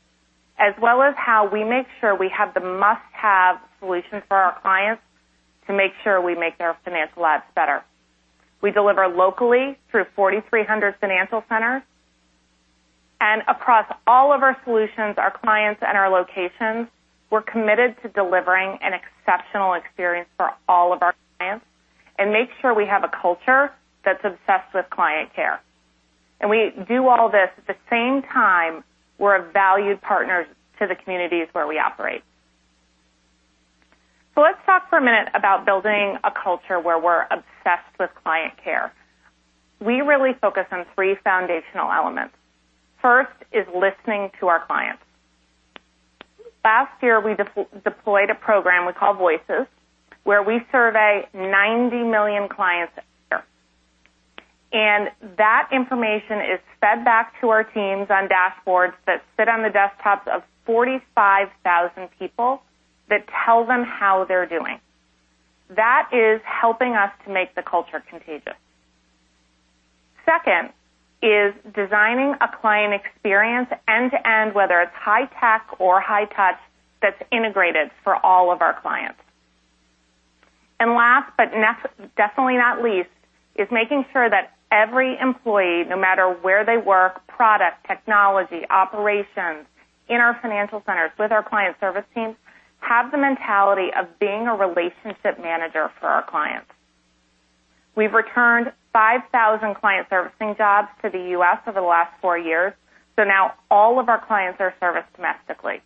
As well as how we make sure we have the must-have solutions for our clients to make sure we make their financial lives better. We deliver locally through 4,300 financial centers. Across all of our solutions, our clients, and our locations, we're committed to delivering an exceptional experience for all of our clients and make sure we have a culture that's obsessed with client care. We do all this at the same time we're a valued partner to the communities where we operate. Let's talk for a minute about building a culture where we're obsessed with client care. We really focus on three foundational elements. First is listening to our clients. Last year, we deployed a program we call Voices, where we survey 90 million clients a year. That information is fed back to our teams on dashboards that sit on the desktops of 45,000 people that tell them how they're doing. That is helping us to make the culture contagious. Second is designing a client experience end-to-end, whether it's high tech or high touch, that's integrated for all of our clients. Last, but definitely not least, is making sure that every employee, no matter where they work, product, technology, operations, in our financial centers, with our client service teams, have the mentality of being a relationship manager for our clients. We've returned 5,000 client servicing jobs to the U.S. over the last four years, so now all of our clients are serviced domestically.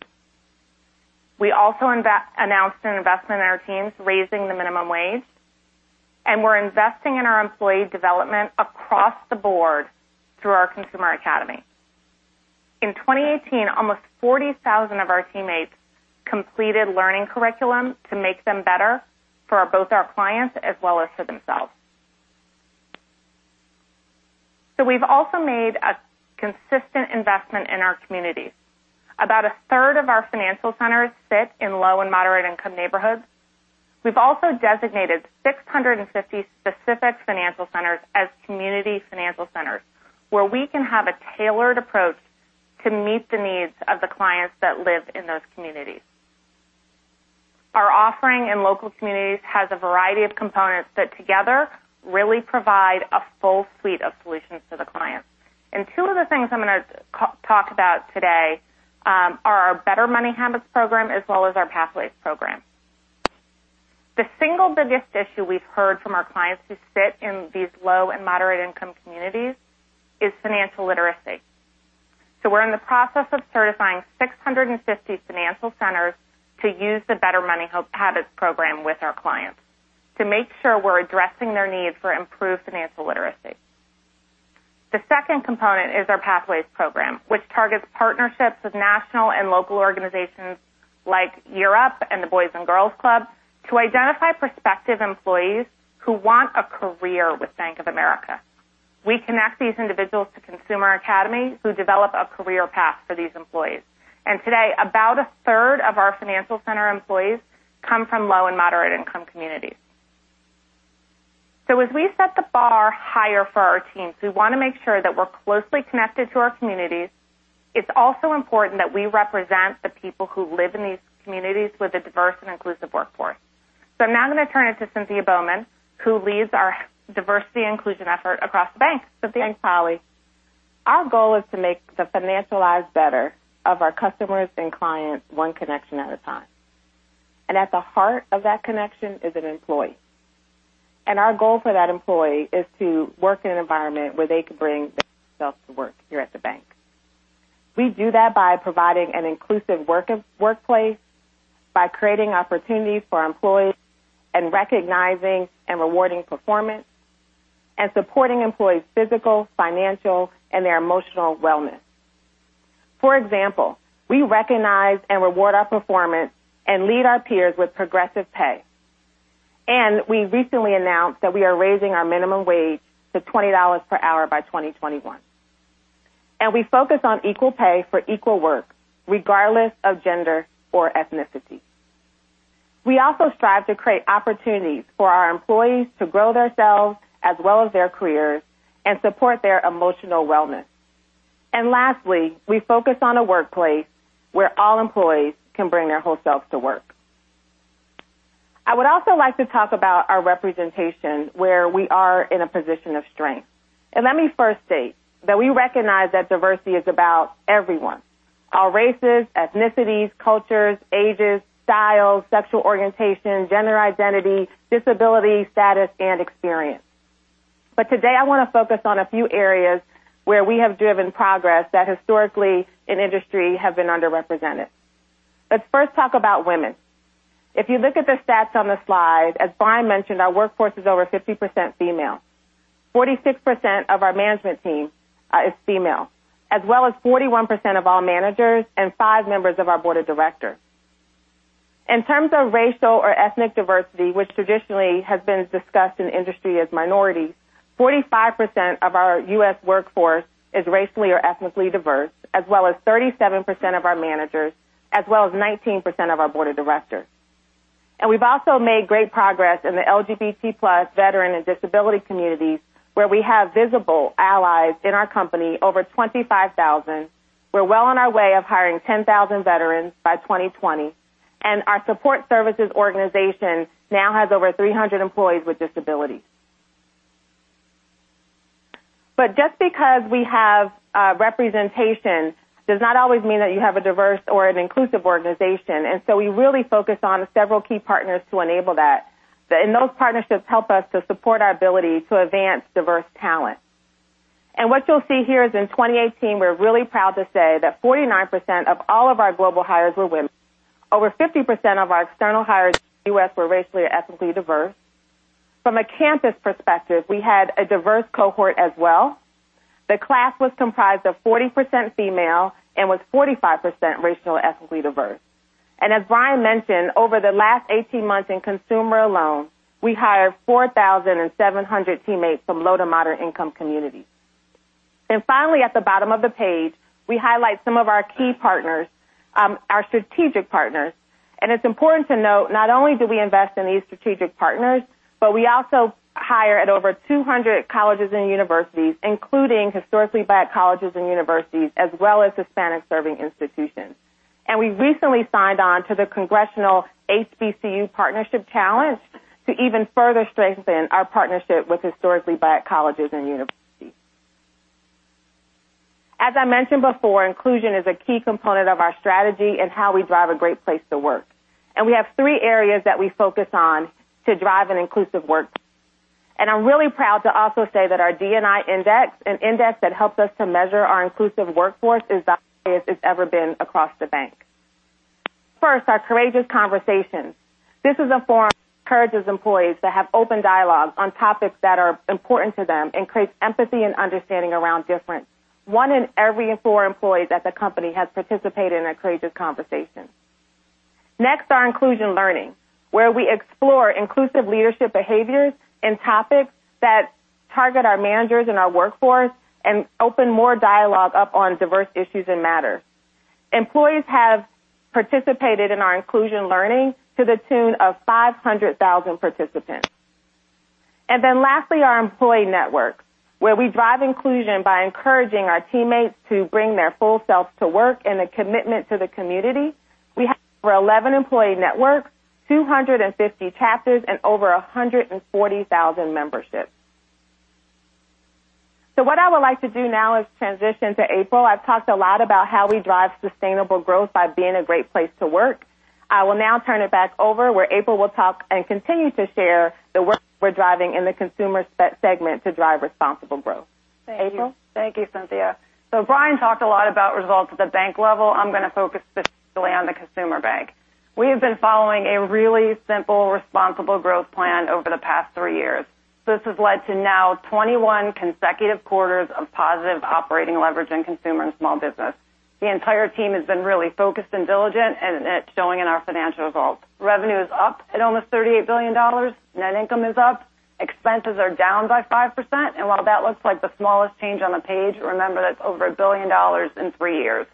We also announced an investment in our teams, raising the minimum wage, and we're investing in our employee development across the board through our Consumer Academy. In 2018, almost 40,000 of our teammates completed learning curriculum to make them better for both our clients as well as for themselves. We've also made a consistent investment in our communities. About a third of our financial centers sit in low and moderate-income neighborhoods. We've also designated 650 specific financial centers as community financial centers, where we can have a tailored approach to meet the needs of the clients that live in those communities. Our offering in local communities has a variety of components that together really provide a full suite of solutions to the clients. Two of the things I'm going to talk about today are our Better Money Habits program as well as our Pathways program. The single biggest issue we've heard from our clients who sit in these low and moderate-income communities is financial literacy. We're in the process of certifying 650 financial centers to use the Better Money Habits program with our clients to make sure we're addressing their needs for improved financial literacy. The second component is our Pathways program, which targets partnerships with national and local organizations like Year Up and the Boys & Girls Club to identify prospective employees who want a career with Bank of America. We connect these individuals to Consumer Academy, who develop a career path for these employees. Today, about a third of our financial center employees come from low and moderate-income communities. As we set the bar higher for our teams, we want to make sure that we're closely connected to our communities. It's also important that we represent the people who live in these communities with a diverse and inclusive workforce. I'm now going to turn it to Cynthia Bowman, who leads our diversity inclusion effort across the bank. Cynthia? Thanks, Holly. Our goal is to make the financial lives better of our customers and clients one connection at a time. At the heart of that connection is an employee. Our goal for that employee is to work in an environment where they can bring their self to work here at the bank. We do that by providing an inclusive workplace, by creating opportunities for employees, and recognizing and rewarding performance, and supporting employees' physical, financial, and their emotional wellness. For example, we recognize and reward our performance and lead our peers with progressive pay. We recently announced that we are raising our minimum wage to $20 per hour by 2021. We focus on equal pay for equal work, regardless of gender or ethnicity. We also strive to create opportunities for our employees to grow themselves as well as their careers and support their emotional wellness. Lastly, we focus on a workplace where all employees can bring their whole selves to work. I would also like to talk about our representation, where we are in a position of strength. Let me first state that we recognize that diversity is about everyone. All races, ethnicities, cultures, ages, styles, sexual orientation, gender identity, disability status, and experience. Today I want to focus on a few areas where we have driven progress that historically in industry have been underrepresented. Let's first talk about women. If you look at the stats on the slide, as Brian mentioned, our workforce is over 50% female. 46% of our management team is female, as well as 41% of all managers and five members of our board of directors. In terms of racial or ethnic diversity, which traditionally has been discussed in the industry as minorities, 45% of our U.S. workforce is racially or ethnically diverse, as well as 37% of our managers, as well as 19% of our board of directors. We've also made great progress in the LGBT+, veteran, and disability communities, where we have visible allies in our company, over 25,000. We're well on our way of hiring 10,000 veterans by 2020, and our support services organization now has over 300 employees with disabilities. Just because we have representation does not always mean that you have a diverse or an inclusive organization, we really focus on several key partners to enable that. Those partnerships help us to support our ability to advance diverse talent. What you'll see here is in 2018, we're really proud to say that 49% of all of our global hires were women. Over 50% of our external hires in the U.S. were racially or ethnically diverse. From a campus perspective, we had a diverse cohort as well. The class was comprised of 40% female and was 45% racial or ethnically diverse. As Brian mentioned, over the last 18 months in consumer alone, we hired 4,700 teammates from low to moderate-income communities. Finally, at the bottom of the page, we highlight some of our key partners, our strategic partners. It's important to note, not only do we invest in these strategic partners, but we also hire at over 200 colleges and universities, including historically Black colleges and universities, as well as Hispanic-serving institutions. We recently signed on to the Congressional HBCU Partnership Challenge to even further strengthen our partnership with historically Black colleges and universities. As I mentioned before, inclusion is a key component of our strategy and how we drive a great place to work. We have three areas that we focus on to drive an inclusive work. I'm really proud to also say that our D&I index, an index that helps us to measure our inclusive workforce, is the highest it's ever been across the bank. First, our courageous conversations. This is a forum that encourages employees to have open dialogue on topics that are important to them and creates empathy and understanding around difference. One in every four employees at the company has participated in a courageous conversation. Next, our inclusion learning, where we explore inclusive leadership behaviors and topics that target our managers and our workforce and open more dialogue up on diverse issues and matters. Employees have participated in our inclusion learning to the tune of 500,000 participants. Lastly, our employee network, where we drive inclusion by encouraging our teammates to bring their full selves to work and a commitment to the community. We have over 11 employee networks, 250 chapters, and over 140,000 memberships. What I would like to do now is transition to April. I've talked a lot about how we drive sustainable growth by being a great place to work. I will now turn it back over where April will talk and continue to share the work we're driving in the Consumer segment to drive responsible growth. April? Thank you, Cynthia. Brian talked a lot about results at the bank level. I'm going to focus specifically on the Consumer bank. We have been following a really simple responsible growth plan over the past three years. This has led to now 21 consecutive quarters of positive operating leverage in Consumer and Small Business. The entire team has been really focused and diligent, and it's showing in our financial results. Revenue is up at almost $38 billion. Net income is up. Expenses are down by 5%. While that looks like the smallest change on the page, remember, that's over $1 billion in three years.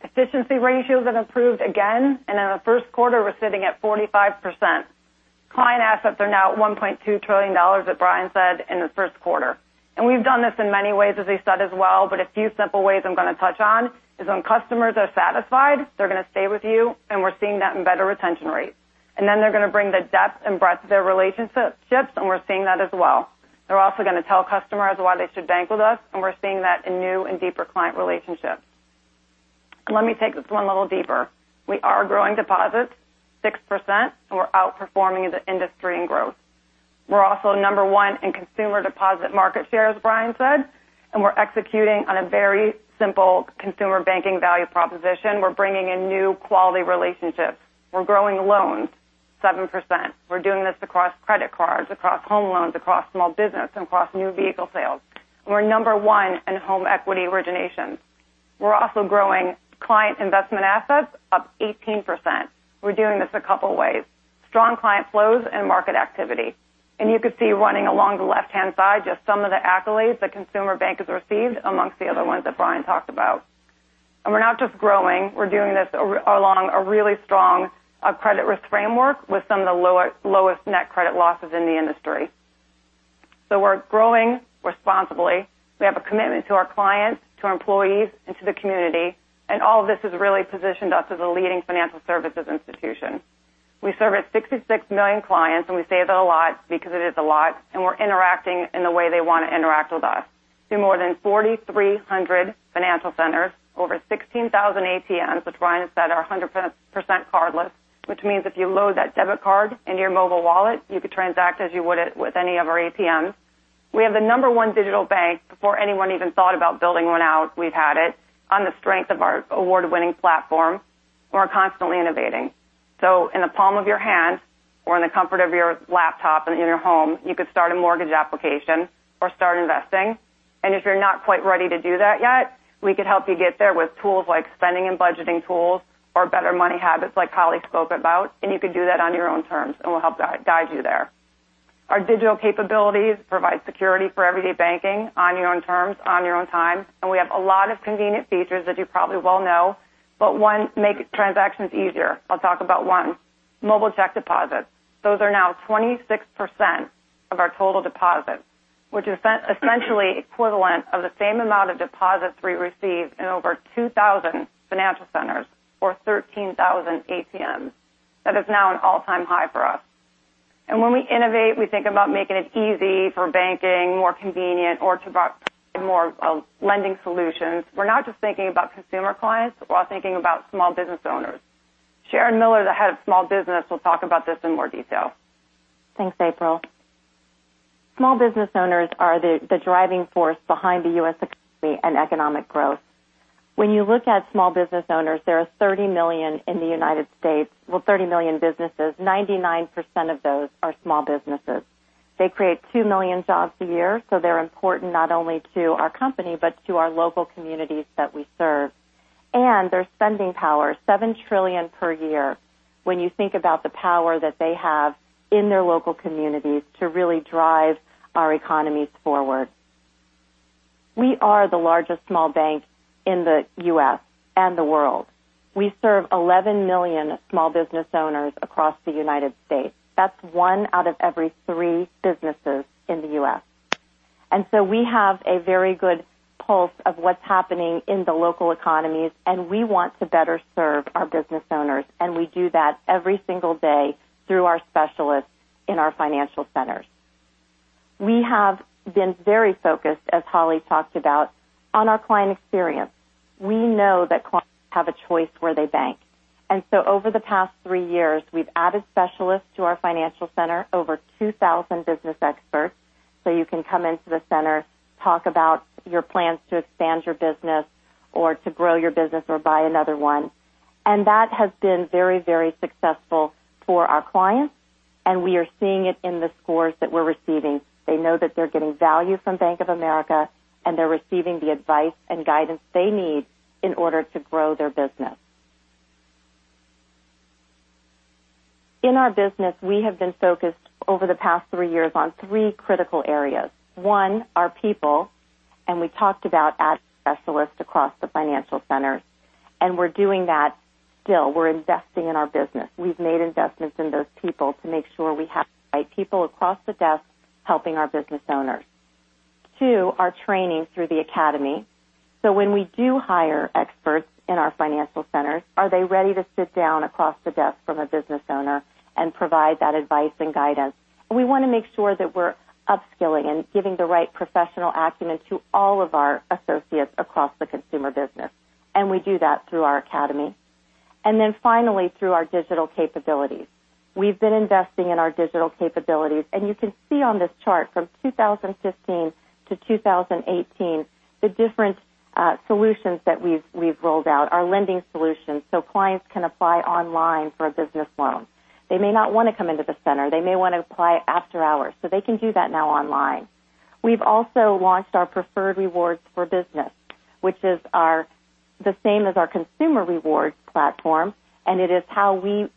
Efficiency ratios have improved again, and in our first quarter, we're sitting at 45%. Client assets are now at $1.2 trillion, as Brian said, in the first quarter. We've done this in many ways, as he said as well. A few simple ways I'm going to touch on is when customers are satisfied, they're going to stay with you, and we're seeing that in better retention rates. They're going to bring the depth and breadth of their relationships, and we're seeing that as well. They're also going to tell customers why they should bank with us, and we're seeing that in new and deeper client relationships. Let me take this one a little deeper. We are growing deposits 6%, and we're outperforming the industry in growth. We're also number 1 in Consumer deposit market share, as Brian said, and we're executing on a very simple Consumer banking value proposition. We're bringing in new quality relationships. We're growing loans 7%. We're doing this across credit cards, across home loans, across Small Business, and across new vehicle sales. We're number 1 in home equity originations. We're also growing client investment assets up 18%. We're doing this a couple ways. Strong client flows and market activity. You can see running along the left-hand side just some of the accolades the Consumer bank has received amongst the other ones that Brian talked about. We're not just growing. We're doing this along a really strong credit risk framework with some of the lowest net credit losses in the industry. We're growing responsibly. We have a commitment to our clients, to our employees, and to the community, and all of this has really positioned us as a leading financial services institution. We service 66 million clients, and we say that a lot because it is a lot, and we're interacting in the way they want to interact with us. Through more than 4,300 financial centers, over 16,000 ATMs, which Brian said are 100% cardless, which means if you load that debit card in your mobile wallet, you could transact as you would with any of our ATMs. We have the number one digital bank. Before anyone even thought about building one out, we've had it on the strength of our award-winning platform. We're constantly innovating. So in the palm of your hand or in the comfort of your laptop and in your home, you could start a mortgage application or start investing. If you're not quite ready to do that yet, we could help you get there with tools like spending and budgeting tools or Better Money Habits like Holly spoke about, and you could do that on your own terms, and we'll help guide you there. Our digital capabilities provide security for everyday banking on your own terms, on your own time. We have a lot of convenient features that you probably well know, but one makes transactions easier. I'll talk about one. Mobile check deposits. Those are now 26% of our total deposits, which is essentially equivalent of the same amount of deposits we receive in over 2,000 financial centers or 13,000 ATMs. That is now an all-time high for us. When we innovate, we think about making it easy for banking, more convenient, or to provide more lending solutions. We're not just thinking about consumer clients, we're also thinking about small business owners. Sharon Miller, the head of small business, will talk about this in more detail. Thanks, April. Small business owners are the driving force behind the U.S. economy and economic growth. When you look at small business owners, there are 30 million in the United States. 30 million businesses, 99% of those are small businesses. They create 2 million jobs a year, so they're important not only to our company but to our local communities that we serve. Their spending power, $7 trillion per year. When you think about the power that they have in their local communities to really drive our economies forward. We are the largest small bank in the U.S. and the world. We serve 11 million small business owners across the United States. That's one out of every three businesses in the U.S. We have a very good pulse of what's happening in the local economies, and we want to better serve our business owners, and we do that every single day through our specialists in our financial centers. We have been very focused, as Holly talked about, on our client experience. We know that clients have a choice where they bank. Over the past three years, we've added specialists to our financial center, over 2,000 business experts, so you can come into the center, talk about your plans to expand your business or to grow your business or buy another one. That has been very successful for our clients, and we are seeing it in the scores that we're receiving. They know that they're getting value from Bank of America, and they're receiving the advice and guidance they need in order to grow their business. In our business, we have been focused over the past three years on three critical areas. One, our people, we talked about adding specialists across the financial centers. We're doing that still. We're investing in our business. We've made investments in those people to make sure we have the right people across the desk helping our business owners. Two, our training through the Consumer Academy. When we do hire experts in our financial centers, are they ready to sit down across the desk from a business owner and provide that advice and guidance? We want to make sure that we're upskilling and giving the right professional acumen to all of our associates across the consumer business, and we do that through our Consumer Academy. Finally, through our digital capabilities. We've been investing in our digital capabilities, you can see on this chart from 2015 to 2018, the different solutions that we've rolled out, our lending solutions, clients can apply online for a business loan. They may not want to come into the center. They may want to apply after hours, they can do that now online. We've also launched our Preferred Rewards for Business, which is the same as our consumer rewards platform, and it is how we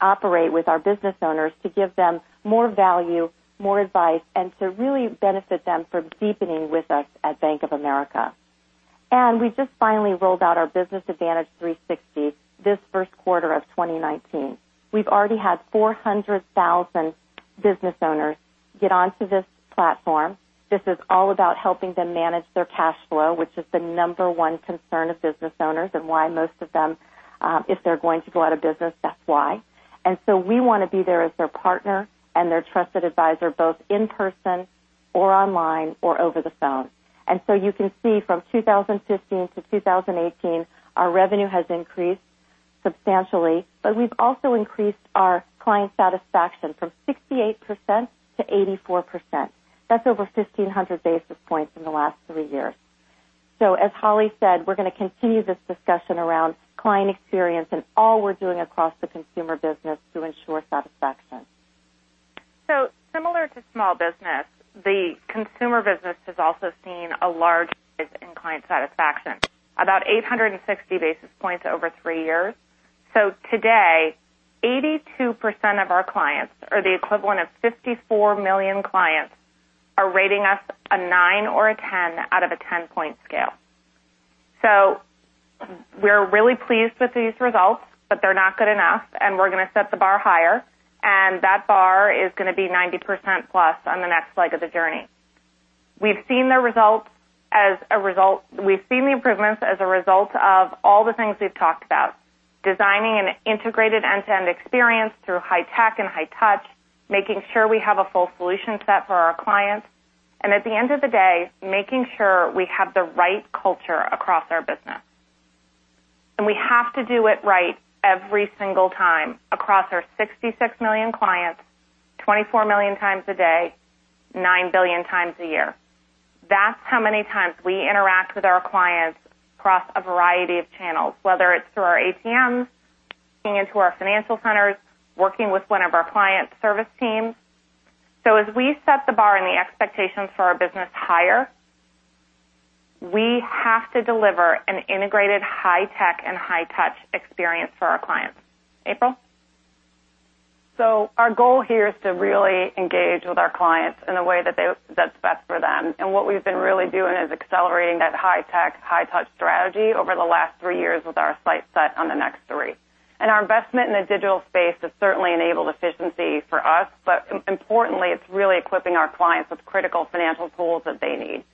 operate with our business owners to give them more value, more advice, and to really benefit them from deepening with us at Bank of America. We just finally rolled out our Business Advantage 360 this first quarter of 2019. We've already had 400,000 business owners get onto this platform. This is all about helping them manage their cash flow, which is the number one concern of business owners and why most of them, if they're going to go out of business, that's why. We want to be there as their partner and their trusted advisor, both in person or online or over the phone. You can see from 2015 to 2018, our revenue has increased substantially, but we've also increased our client satisfaction from 68% to 84%. That's over 1,500 basis points in the last three years. As Holly said, we're going to continue this discussion around client experience and all we're doing across the consumer business to ensure satisfaction. Similar to small business, the consumer business has also seen a large increase in client satisfaction, about 860 basis points over three years. Today, 82% of our clients, or the equivalent of 54 million clients, are rating us a 9 or a 10 out of a 10-point scale. We're really pleased with these results, but they're not good enough, and we're going to set the bar higher, and that bar is going to be 90% plus on the next leg of the journey. We've seen the improvements as a result of all the things we've talked about, designing an integrated end-to-end experience through high tech and high touch, making sure we have a full solution set for our clients, and at the end of the day, making sure we have the right culture across our business. We have to do it right every single time across our 66 million clients, 24 million times a day, 9 billion times a year. That's how many times we interact with our clients across a variety of channels, whether it's through our ATMs, walking into our financial centers, working with one of our client service teams. As we set the bar and the expectations for our business higher, we have to deliver an integrated high-tech and high-touch experience for our clients. April. Our goal here is to really engage with our clients in a way that's best for them. And what we've been really doing is accelerating that high-tech, high-touch strategy over the last three years with our sights set on the next three. And our investment in the digital space has certainly enabled efficiency for us. But importantly, it's really equipping our clients with critical financial tools that they need.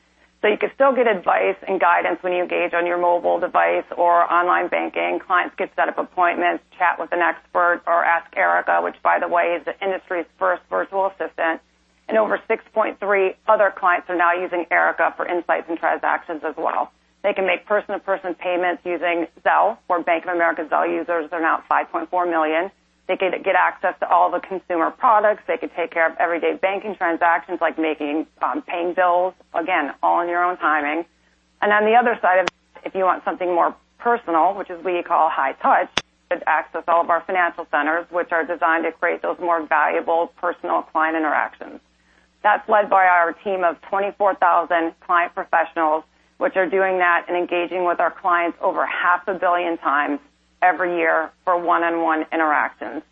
You can still get advice and guidance when you engage on your mobile device or online banking. Clients can set up appointments, chat with an expert, or ask Erica, which by the way, is the industry's first virtual assistant, and over 6.3 other clients are now using Erica for insights and transactions as well. They can make person-to-person payments using Zelle, where Bank of America Zelle users are now 5.4 million. They get access to all the consumer products. They can take care of everyday banking transactions like paying bills, again, all on your own timing. And on the other side of that, if you want something more personal, which is what you call high-touch, you could access all of our financial centers, which are designed to create those more valuable personal client interactions. That's led by our team of 24,000 client professionals, which are doing that and engaging with our clients over half a billion times every year for one-on-one interactions.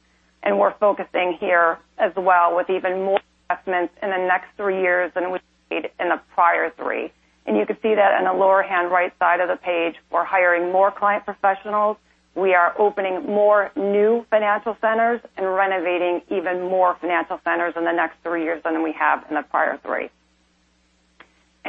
And we're focusing here as well with even more investments in the next three years than we made in the prior three. And you can see that in the lower hand right side of the page. We're hiring more client professionals. We are opening more new financial centers and renovating even more financial centers in the next three years than we have in the prior three.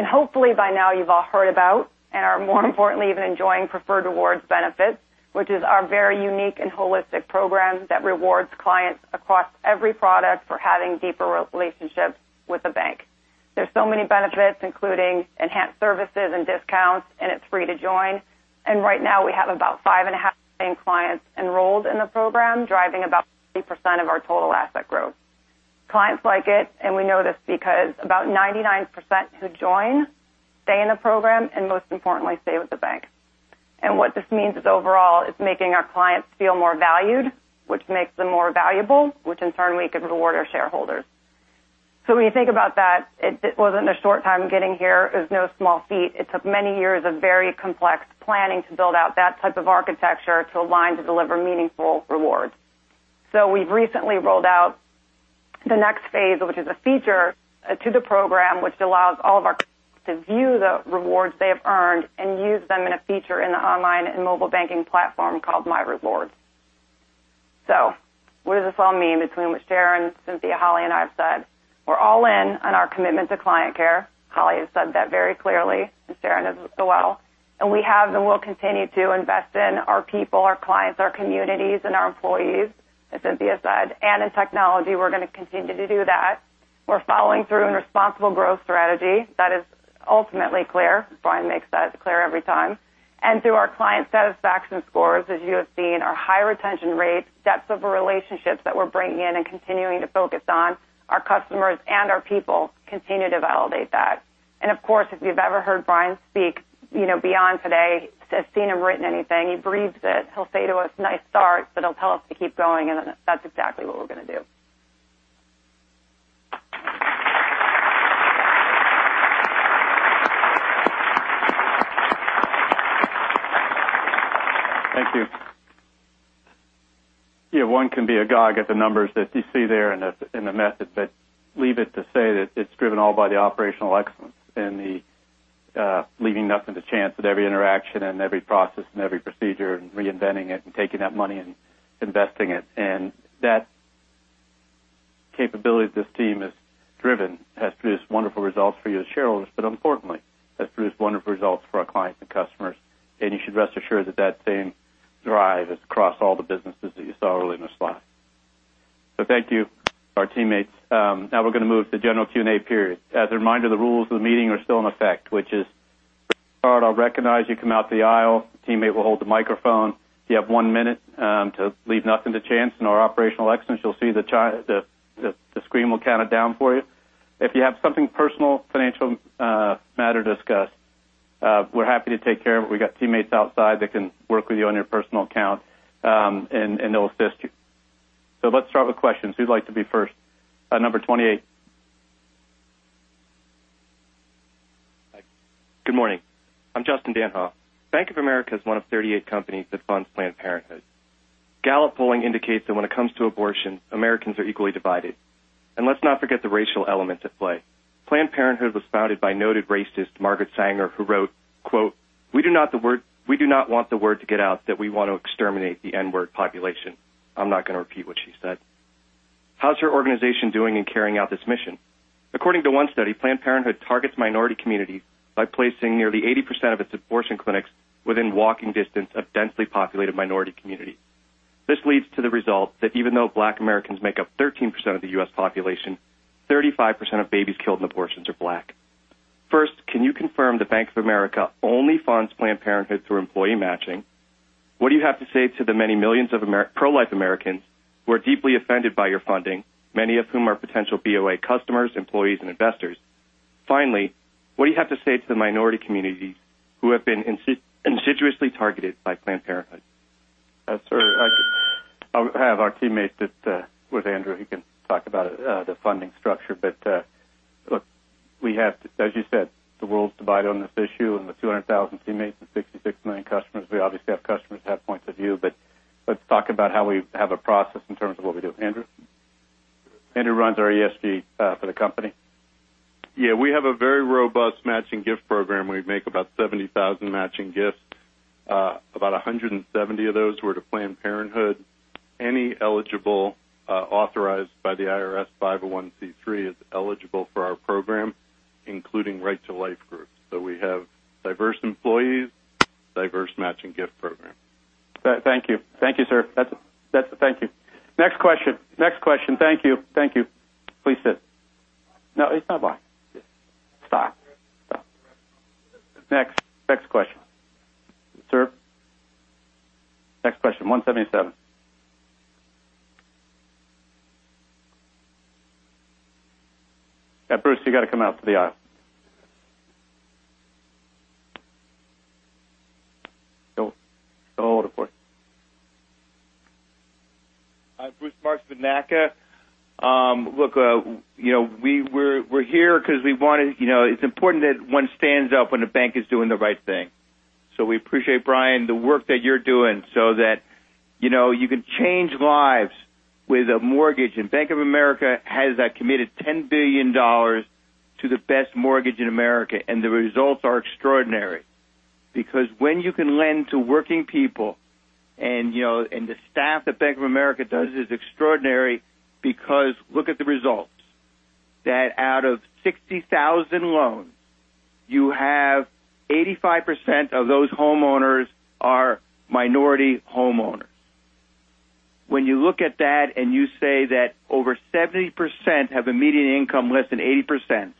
Hopefully by now, you've all heard about and are more importantly, even enjoying Preferred Rewards benefits, which is our very unique and holistic program that rewards clients across every product for having deeper relationships with the bank. There's so many benefits, including enhanced services and discounts, and it's free to join. And right now, we have about 5.5 million clients enrolled in the program, driving about 50% of our total asset growth. Clients like it, and we know this because about 99% who join stay in the program and most importantly, stay with the bank. And what this means is overall, it's making our clients feel more valued, which makes them more valuable, which in turn, we can reward our shareholders. When you think about that, it wasn't a short time getting here. It was no small feat. It took many years of very complex planning to build out that type of architecture to align to deliver meaningful rewards. We've recently rolled out the next phase, which is a feature to the program which allows all of our customers to view the rewards they have earned and use them in a feature in the online and mobile banking platform called My Rewards. What does this all mean between what Sharon, Cynthia, Holly, and I have said? We're all in on our commitment to client care. Holly has said that very clearly, and Sharon as well. We have and will continue to invest in our people, our clients, our communities, and our employees, as Cynthia said. In technology, we're going to continue to do that. We're following through in responsible growth strategy. That is ultimately clear. Brian makes that clear every time. Through our client satisfaction scores, as you have seen, our high retention rates, depth of relationships that we're bringing in and continuing to focus on, our customers and our people continue to validate that. Of course, if you've ever heard Brian speak beyond today, seen him written anything, he breathes it. He'll say to us, "Nice start," but he'll tell us to keep going, and that's exactly what we're going to do. Thank you. One can be agog at the numbers that you see there and the method, but leave it to say that it's driven all by the operational excellence and the leaving nothing to chance at every interaction and every process and every procedure, and reinventing it and taking that money and investing it. That capability this team has driven has produced wonderful results for you as shareholders, but importantly, has produced wonderful results for our clients and customers, and you should rest assured that that same drive is across all the businesses that you saw earlier in the slide. Thank you, our teammates. Now we're going to move to general Q&A period. As a reminder, the rules of the meeting are still in effect, which is, when you start, I'll recognize you, come out the aisle. A teammate will hold the microphone. You have one minute. To leave nothing to chance in our operational excellence, you'll see the screen will count it down for you. If you have something personal, financial matter to discuss, we're happy to take care of it. We got teammates outside that can work with you on your personal account, and they'll assist you. Let's start with questions. Who'd like to be first? Number 28. Good morning. I'm Justin Danhoff. Bank of America is one of 38 companies that funds Planned Parenthood. Gallup polling indicates that when it comes to abortion, Americans are equally divided. Let's not forget the racial element at play. Planned Parenthood was founded by noted racist Margaret Sanger, who wrote, quote, "We do not want the word to get out that we want to exterminate the N-word population." I'm not going to repeat what she said. How's your organization doing in carrying out this mission? According to one study, Planned Parenthood targets minority communities by placing nearly 80% of its abortion clinics within walking distance of densely populated minority communities. This leads to the result that even though Black Americans make up 13% of the U.S. population, 35% of babies killed in abortions are Black. First, can you confirm that Bank of America only funds Planned Parenthood through employee matching? What do you have to say to the many millions of pro-life Americans who are deeply offended by your funding, many of whom are potential BOA customers, employees, and investors? Finally, what do you have to say to the minority communities who have been insidiously targeted by Planned Parenthood? I'll have our teammate that with Andrew, he can talk about the funding structure. Look, as you said, the world's divided on this issue, and the 200,000 teammates and 66 million customers. We obviously have customers that have points of view. Let's talk about how we have a process in terms of what we do. Andrew? Andrew runs our ESG for the company. We have a very robust matching gift program. We make about 70,000 matching gifts. About 170 of those were to Planned Parenthood. Any eligible, authorized by the IRS 501(c)(3) is eligible for our program, including Right to Life groups. We have diverse employees, diverse matching gift program. Thank you. Thank you, sir. Thank you. Next question. Thank you. Please sit. No, it's not bye. Stop. Next question. Sir? Next question, 177. Yeah, Bruce, you got to come out to the aisle. Go all the way. I'm Bruce Marks with NACA. Look, we're here because it's important that one stands up when a bank is doing the right thing. We appreciate, Brian, the work that you're doing so that you can change lives with a mortgage. Bank of America has committed $10 billion to the best mortgage in America, and the results are extraordinary. When you can lend to working people, and the staff at Bank of America does is extraordinary because look at the results. That out of 60,000 loans, you have 85% of those homeowners are minority homeowners. When you look at that and you say that over 70% have a median income less than 80%,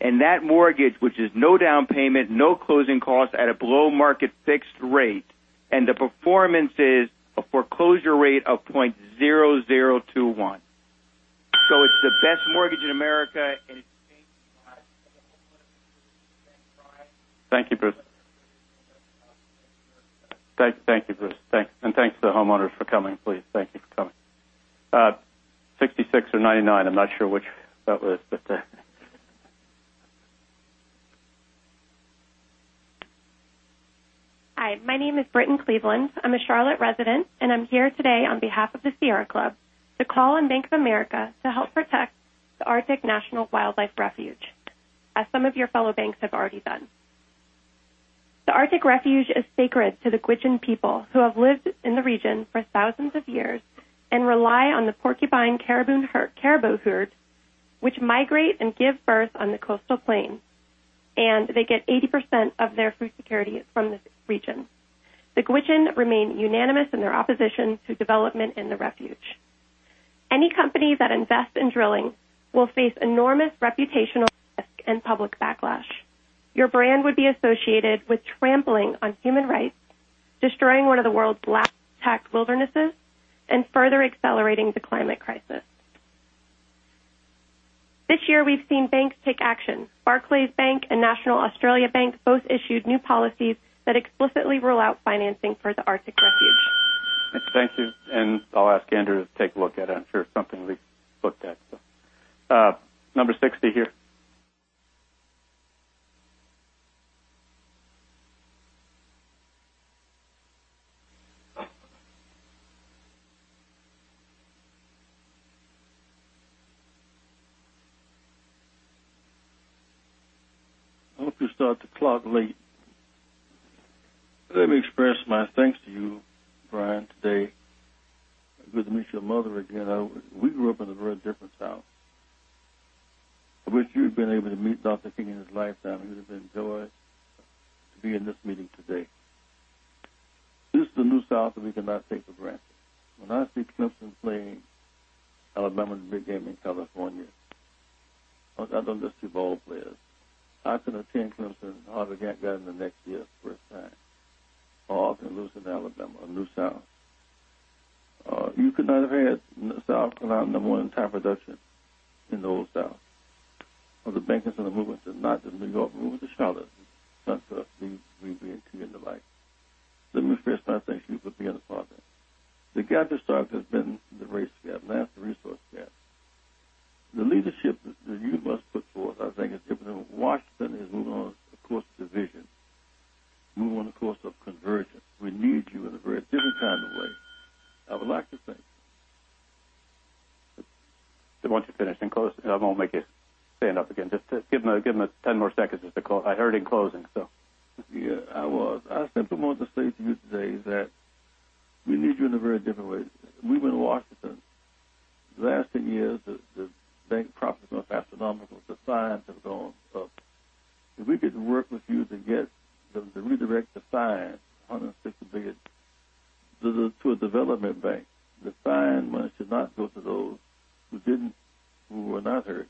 and that mortgage, which is no down payment, no closing costs at a below-market fixed rate, and the performance is a foreclosure rate of 0.0021. It's the best mortgage in America and it's changing lives. Thank you, Brian. Thank you, Bruce. Thank you, Bruce. Thanks to the homeowners for coming. Please. Thank you for coming. 66 or 99, I'm not sure which that was. Hi, my name is Britton Cleveland. I'm a Charlotte resident, and I'm here today on behalf of the Sierra Club to call on Bank of America to help protect the Arctic National Wildlife Refuge, as some of your fellow banks have already done. The Arctic Refuge is sacred to the Gwich'in people who have lived in the region for thousands of years and rely on the Porcupine Caribou Herd, which migrate and give birth on the coastal plain, and they get 80% of their food security from this region. The Gwich'in remain unanimous in their opposition to development in the refuge. Any company that invests in drilling will face enormous reputational risk and public backlash. Your brand would be associated with trampling on human rights, destroying one of the world's last intact wildernesses, and further accelerating the climate crisis. This year, we've seen banks take action. Barclays Bank and National Australia Bank both issued new policies that explicitly rule out financing for the Arctic Refuge. Thank you. I'll ask Andrew to take a look at it. I'm sure it's something we've looked at. Number 60 here. I hope you start the clock late. Let me express my thanks to you, Brian, today. Good to meet your mother again. We grew up in a very different South. I wish you'd been able to meet Dr. King in his lifetime. He would have enjoyed to be in this meeting today. This is the new South that we cannot take for granted. When I see Clemson playing Alabama in the big game in California, I don't just see ball players. I can attend Clemson, Harvard, and gotten in the next year for the first time. I can lose to Alabama, a new South. You could not have had the South come out number 1 in tire production in the old South. The bankers in the movement, not the New York movement, the Charlotte center of these we being King and the like. Let me first start by thanking you for being a part of that. The gap that starts has been the race gap, now it's the resource gap. The leadership that you must put forth, I think, is different than Washington is moving on a course of division. Move on a course of conversion. We need you in a very different kind of way. I would like to thank- Why don't you finish in close. I won't make you stand up again. Just give him 10 more seconds just to close. I heard in closing. Yeah, I was. I simply wanted to say to you today that we need you in a very different way. We've been in Washington the last 10 years. The bank profits are astronomical. The fines have gone up. If we could work with you to get them to redirect the fines, $160 billion, to a development bank. The fine money should not go to those who were not hurt.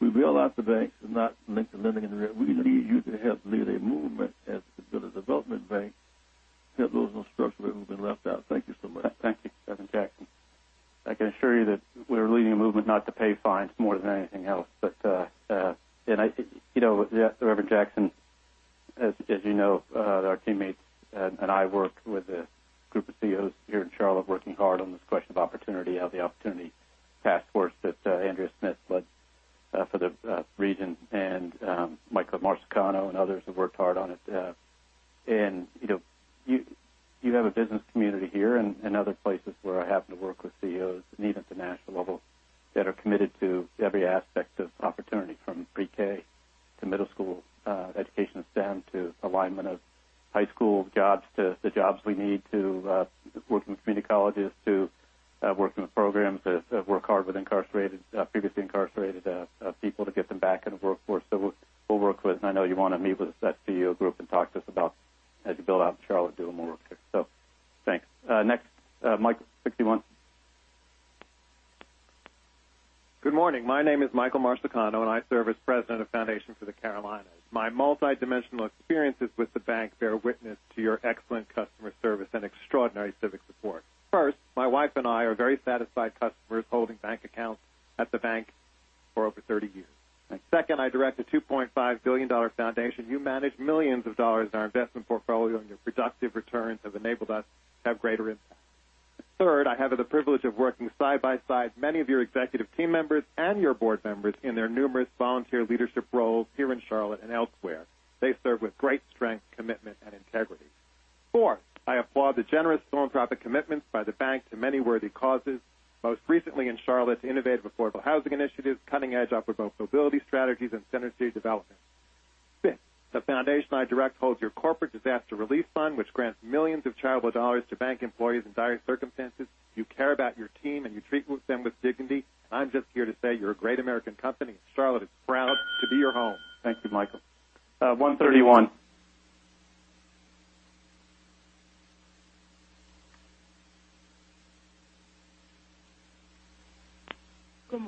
We bail out the banks and not link the lending. We need you to help lead a movement as it could build a development bank to help those in the structural that have been left out. Thank you so much. Thank you, Reverend Jackson. I can assure you that we're leading a movement not to pay fines more than anything else. Reverend Jackson, as you know, our teammates and I work with a group of CEOs here in Charlotte working hard on this question of opportunity of the Opportunity Task Force that Andrea Smith led for the region, and Michael Marsicano and others have worked hard on it. You have a business community here and other places where I happen to work with CEOs and even at the national level that are committed to every aspect of opportunity, from pre-K to middle school education STEM to alignment of high school jobs to the jobs we need, to working with community colleges to working with programs that work hard with previously incarcerated people to get them back in the workforce. We'll work with, I know you want to meet with that CEO group and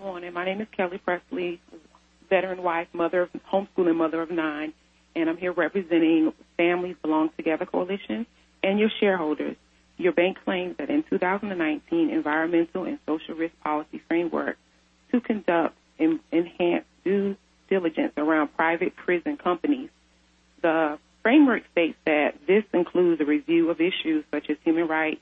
Good morning. My name is Kelly Presley, veteran wife, homeschooling mother of nine, and I am here representing Families Belong Together Coalition and your shareholders. Your bank claims that in 2019, environmental and social risk policy framework to conduct enhanced due diligence around private prison companies. The framework states that this includes a review of issues such as human rights,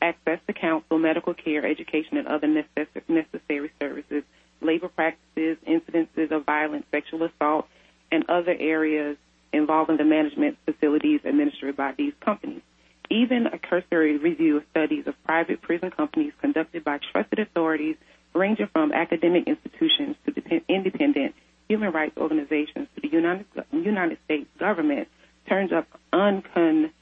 access to counsel, medical care, education, and other necessary services, labor practices, incidences of violence, sexual assault, and other areas involving the management facilities administered by these companies. Even a cursory review of studies of private prison companies conducted by trusted authorities, ranging from academic institutions to independent human rights organizations to the United States government, turns up uncontrovertible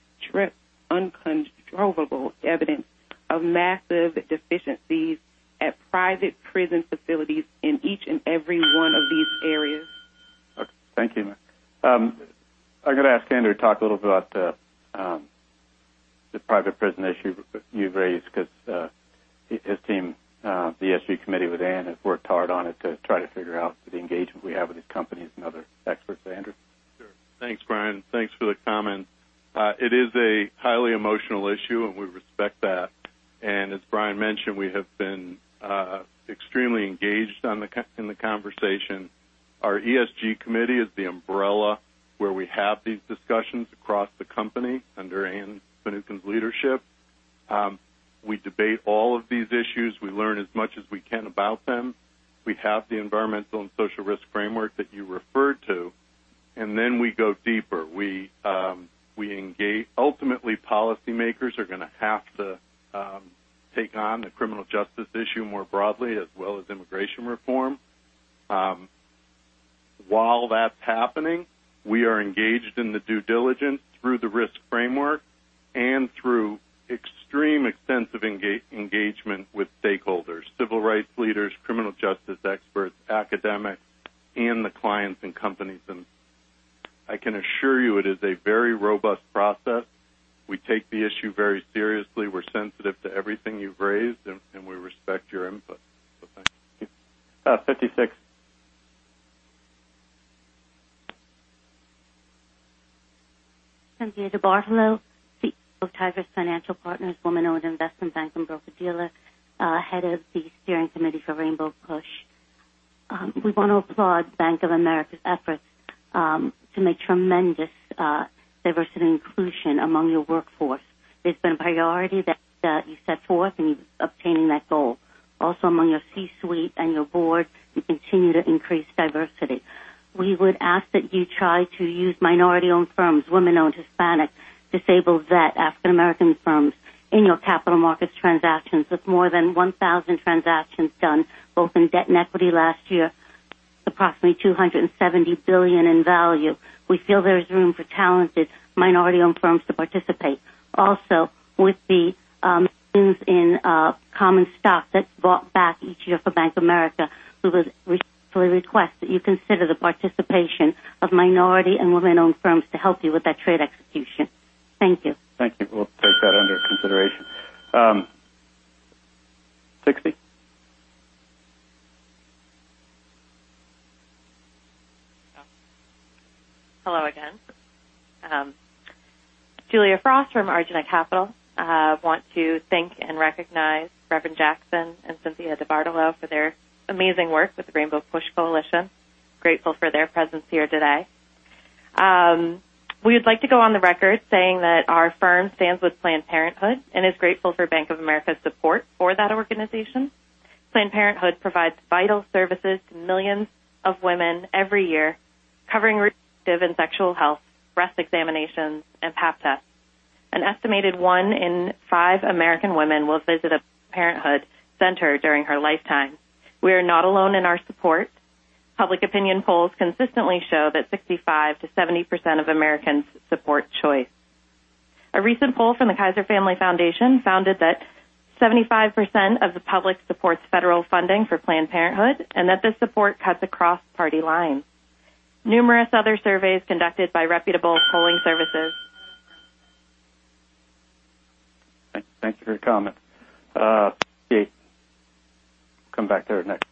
evidence of massive deficiencies at private prison facilities in each and every one of these areas. Okay. Thank you. I am going to ask Andrew to talk a little bit about the private prison issue you have raised because his team, the ESG committee with Anne, has worked hard on it to try to figure out the engagement we have with these companies and other experts. Andrew? Sure. Thanks, Brian. Thanks for the comment. It is a highly emotional issue, and we respect that. As Brian mentioned, we have been extremely engaged in the conversation. Our ESG committee is the umbrella where we have these discussions across the company under Anne Finucane's leadership. We debate all of these issues. We learn as much as we can about them. We have the environmental and social risk framework that you referred to. We go deeper. Ultimately, policymakers are going to have to take on the criminal justice issue more broadly, as well as immigration reform. While that is happening, we are engaged in the due diligence through the risk framework and through extreme extensive engagement with stakeholders, civil rights leaders, criminal justice experts, academics, and the clients and companies. I can assure you it is a very robust process. We take the issue very seriously. We are sensitive to everything you have raised, and we respect your input. Thank you. 56. I'm Cynthia DiBartolo, CEO of Tigress Financial Partners, woman-owned investment bank and broker-dealer, head of the steering committee for Rainbow PUSH. We want to applaud Bank of America's efforts to make tremendous diversity and inclusion among your workforce. It's been a priority that you set forth, and you're obtaining that goal. Also, among your C-suite and your board, you continue to increase diversity. We would ask that you try to use minority-owned firms, women-owned, Hispanic, disabled vet, African American firms in your capital markets transactions. With more than 1,000 transactions done both in debt and equity last year, approximately $270 billion in value. We feel there is room for talented minority-owned firms to participate. With the millions in common stock that's bought back each year for Bank of America, we would respectfully request that you consider the participation of minority and women-owned firms to help you with that trade execution. Thank you. Thank you. We'll take that under consideration. 60. Hello again. Julia Frost from Arjuna Capital. I want to thank and recognize Reverend Jackson and Cynthia DiBartolo for their amazing work with the Rainbow PUSH Coalition. Grateful for their presence here today. We would like to go on the record saying that our firm stands with Planned Parenthood and is grateful for Bank of America's support for that organization. Planned Parenthood provides vital services to millions of women every year, covering and sexual health, breast examinations, and Pap tests. An estimated one in five American women will visit a Planned Parenthood center during her lifetime. We are not alone in our support. Public opinion polls consistently show that 65%-70% of Americans support choice. A recent poll from the Kaiser Family Foundation found that 75% of the public supports federal funding for Planned Parenthood, and that this support cuts across party lines. Numerous other surveys conducted by reputable polling services. Thank you for your comment. 8. We'll come back there next.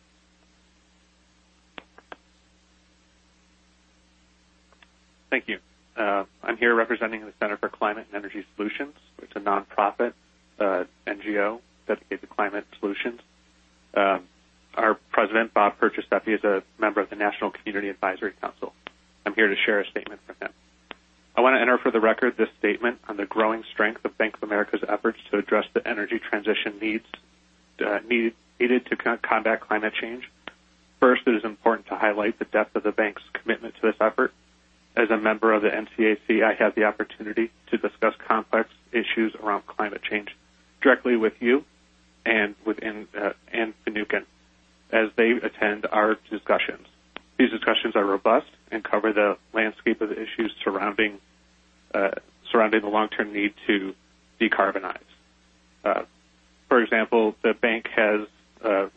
Thank you. I'm here representing the Center for Climate and Energy Solutions. It's a nonprofit NGO dedicated to climate solutions. Our president, Bob Perciasepe, is a member of the National Community Advisory Council. I'm here to share a statement from him. I want to enter for the record this statement on the growing strength of Bank of America's efforts to address the energy transition needed to combat climate change. First, it is important to highlight the depth of the bank's commitment to this effort. As a member of the NCAC, I have the opportunity to discuss complex issues around climate change directly with you and within Anne Finucane as they attend our discussions. These discussions are robust and cover the landscape of the issues surrounding the long-term need to decarbonize. For example, the bank has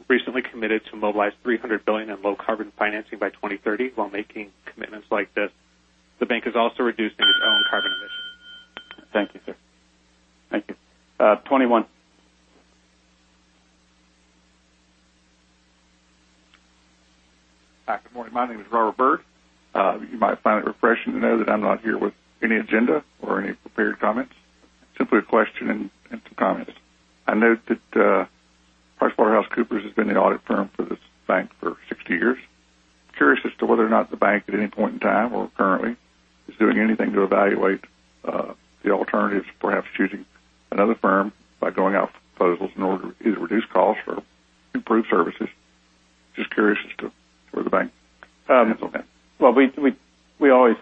recently committed to mobilize $300 billion in low carbon financing by 2030. While making commitments like this, the bank is also reducing its own carbon emissions. Thank you, sir. Thank you. 21. Hi, good morning. My name is Robert Byrd. You might find it refreshing to know that I'm not here with any agenda or any prepared comments. Simply a question and some comments. I note that PricewaterhouseCoopers has been the audit firm for this bank for 60 years. Curious as to whether or not the bank at any point in time or currently is doing anything to evaluate the alternatives, perhaps choosing another firm by going out for proposals in order to either reduce costs or improve services. Just curious as to where the bank stands on that. Well, we always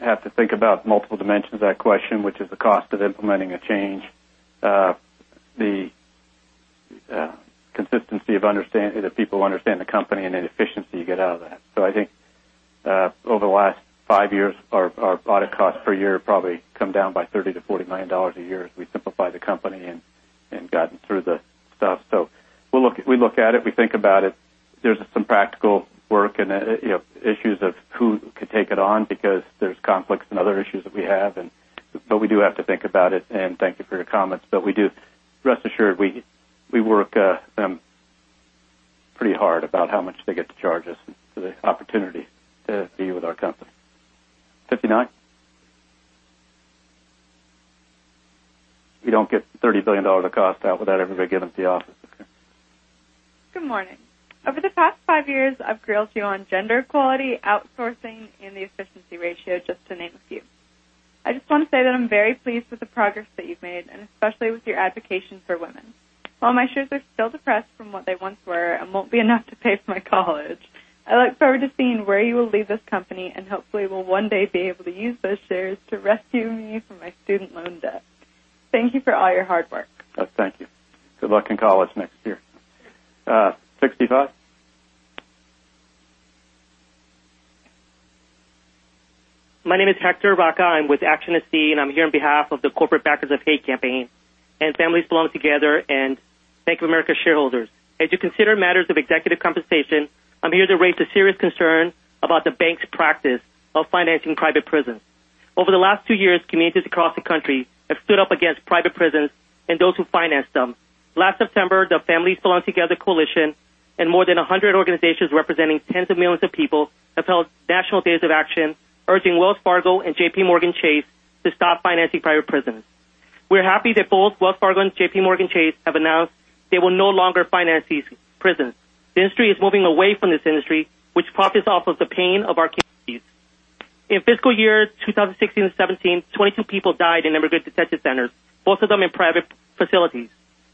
have to think about multiple dimensions of that question, which is the cost of implementing a change. The consistency of understanding, that people understand the company and the efficiency you get out of that. I think over the last five years, our audit costs per year have probably come down by $30 million-$40 million a year as we simplify the company and gotten through the stuff. We look at it, we think about it. There's some practical work and issues of who could take it on because there's conflicts and other issues that we have. We do have to think about it, and thank you for your comments. Rest assured, we work them pretty hard about how much they get to charge us for the opportunity to be with our company. 59. We don't get $30 billion of cost out without everybody getting up to the office. Okay. Good morning. Over the past five years, I've grilled you on gender equality, outsourcing, and the efficiency ratio, just to name a few. I just want to say that I'm very pleased with the progress that you've made, and especially with your advocation for women. While my shares are still depressed from what they once were and won't be enough to pay for my college, I look forward to seeing where you will lead this company and hopefully will one day be able to use those shares to rescue me from my student loan debt. Thank you for all your hard work. Thank you. Good luck in college next year. 65. My name is Hector Vaca. I'm with Action NC, and I'm here on behalf of the Corporate Backers of Hate campaign and Families Belong Together and Bank of America shareholders. As you consider matters of executive compensation, I'm here to raise a serious concern about the bank's practice of financing private prisons. Over the last two years, communities across the country have stood up against private prisons and those who finance them. Last September, the Families Belong Together coalition and more than 100 organizations representing tens of millions of people have held national days of action urging Wells Fargo and JPMorgan Chase to stop financing private prisons. We're happy that both Wells Fargo and JPMorgan Chase have announced they will no longer finance these prisons. The industry is moving away from this industry which profits off of the pain of our communities. In fiscal year 2016 to 2017, 22 people died in immigrant detention centers, most of them in private facilities.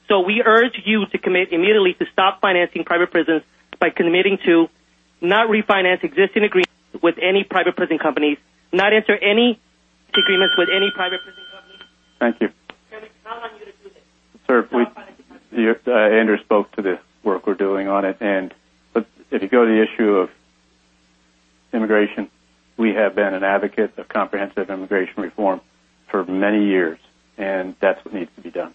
We urge you to commit immediately to stop financing private prisons by committing to not refinance existing agreements with any private prison companies, not enter any agreements with any private prison companies. Thank you. Tell me, how are you going to do this? Sir, Andrew spoke to the work we're doing on it. If you go to the issue of immigration, we have been an advocate of comprehensive immigration reform for many years, and that's what needs to be done.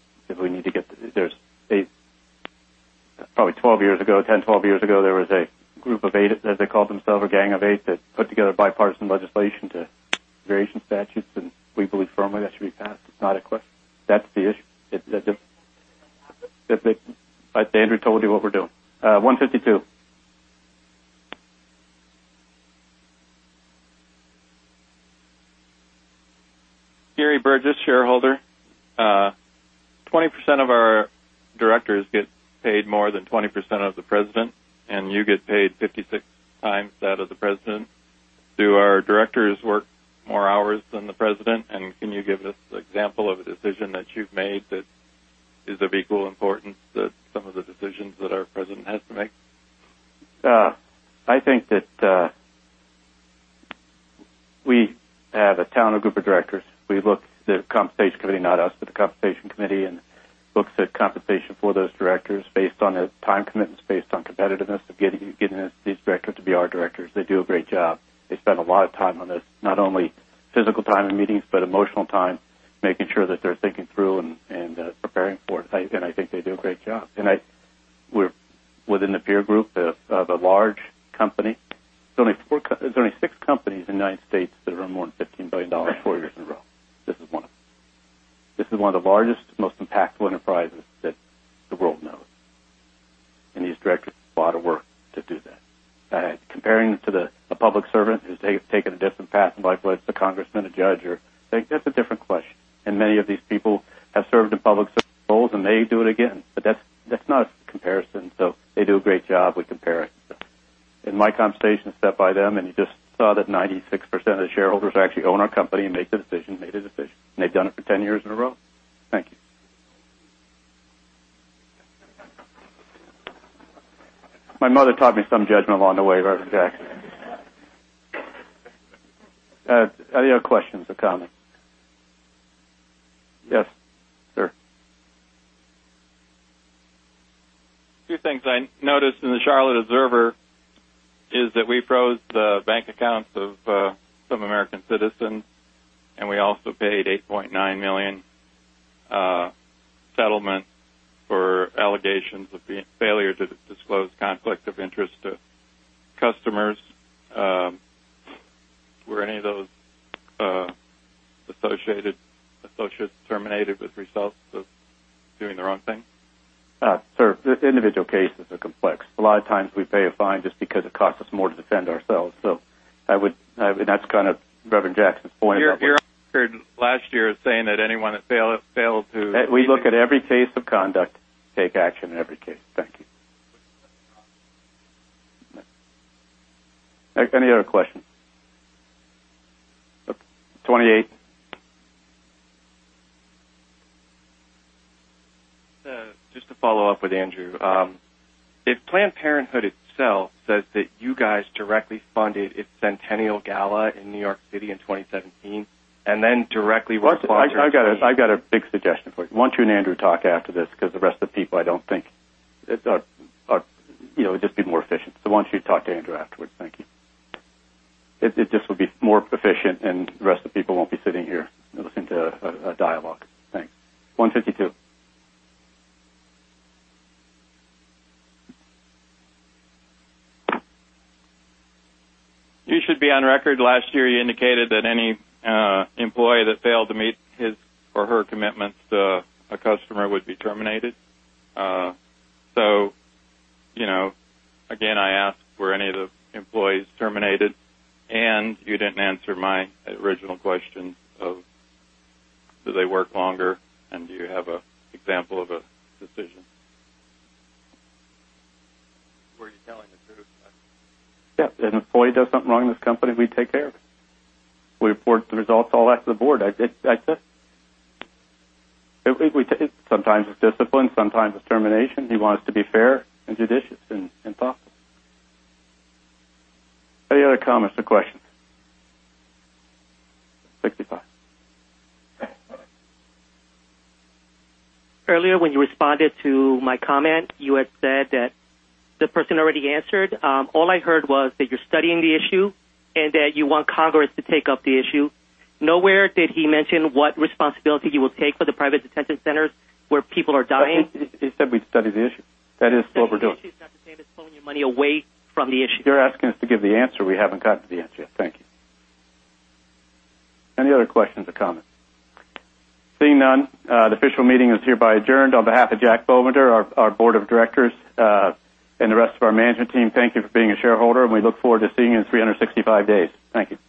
Probably 12 years ago, 10, 12 years ago, there was a group, they called themselves a Gang of Eight, that put together bipartisan legislation to various statutes, and we believe firmly that should be passed. It's not a question. That's the issue. Andrew told you what we're doing. 152 Gary Burgess, shareholder. 20% of our directors get paid more than 20% of the president, you get paid 56 times that of the president. Do our directors work more hours than the president? Can you give us an example of a decision that you've made that is of equal importance that some of the decisions that our president has to make? I think that we have a talented group of directors. The compensation committee, not us, but the compensation committee looks at compensation for those directors based on their time commitments, based on competitiveness of getting these directors to be our directors. They do a great job. They spend a lot of time on this, not only physical time in meetings, but emotional time, making sure that they're thinking through and preparing for it. I think they do a great job. We're within the peer group of a large company. There's only six companies in the U.S. that earn more than $15 billion four years in a row. This is one of them. This is one of the largest, most impactful enterprises that the world knows. These directors do a lot of work to do that. Comparing them to a public servant who's taken a different path, in other words, a congressman, a judge, that's a different question. Many of these people have served in public service roles, and they'd do it again. That's not a comparison. They do a great job. We compare it. My compensation is set by them, and you just saw that 96% of the shareholders actually own our company and make the decision, made a decision, and they've done it for 10 years in a row. Thank you. My mother taught me some judgment along the way, Jesse Jackson. Any other questions or comments? Yes, sir. A few things I noticed in The Charlotte Observer is that we froze the bank accounts of some American citizens, we also paid $8.9 million settlement for allegations of failure to disclose conflict of interest to customers. Were any of those associates terminated as a result of doing the wrong thing? Sir, individual cases are complex. A lot of times we pay a fine just because it costs us more to defend ourselves. That's kind of Jesse Jackson's point- You're on record last year as saying that anyone that failed to- We look at every case of conduct, take action in every case. Thank you. Any other questions? 28. Just to follow up with Andrew. If Planned Parenthood itself says that you guys directly funded its centennial gala in New York City in 2017, then directly- I've got a big suggestion for you. Why don't you and Andrew talk after this? The rest of the people, it'd just be more efficient. Why don't you talk to Andrew afterwards? Thank you. It just would be more efficient, the rest of the people won't be sitting here listening to a dialogue. Thanks. 152. You should be on record. Last year, you indicated that any employee that failed to meet his or her commitments to a customer would be terminated. Again, I ask, were any of the employees terminated? You didn't answer my original question of do they work longer, and do you have an example of a decision? Were you telling the truth? Yeah. If an employee does something wrong in this company, we take care of it. We report the results all back to the board. I did. Sometimes it's discipline, sometimes it's termination. He wants to be fair and judicious and thoughtful. Any other comments or questions? 65. Earlier, when you responded to my comment, you had said that the person already answered. All I heard was that you're studying the issue and that you want Congress to take up the issue. Nowhere did he mention what responsibility you will take for the private detention centers where people are dying. He said we'd study the issue. That is what we're doing. Studying the issue is not the same as pulling your money away from the issue. You're asking us to give the answer. We haven't gotten to the answer yet. Thank you. Any other questions or comments? Seeing none, the official meeting is hereby adjourned. On behalf of Jack Bovender, our board of directors, and the rest of our management team, thank you for being a shareholder, and we look forward to seeing you in 365 days. Thank you.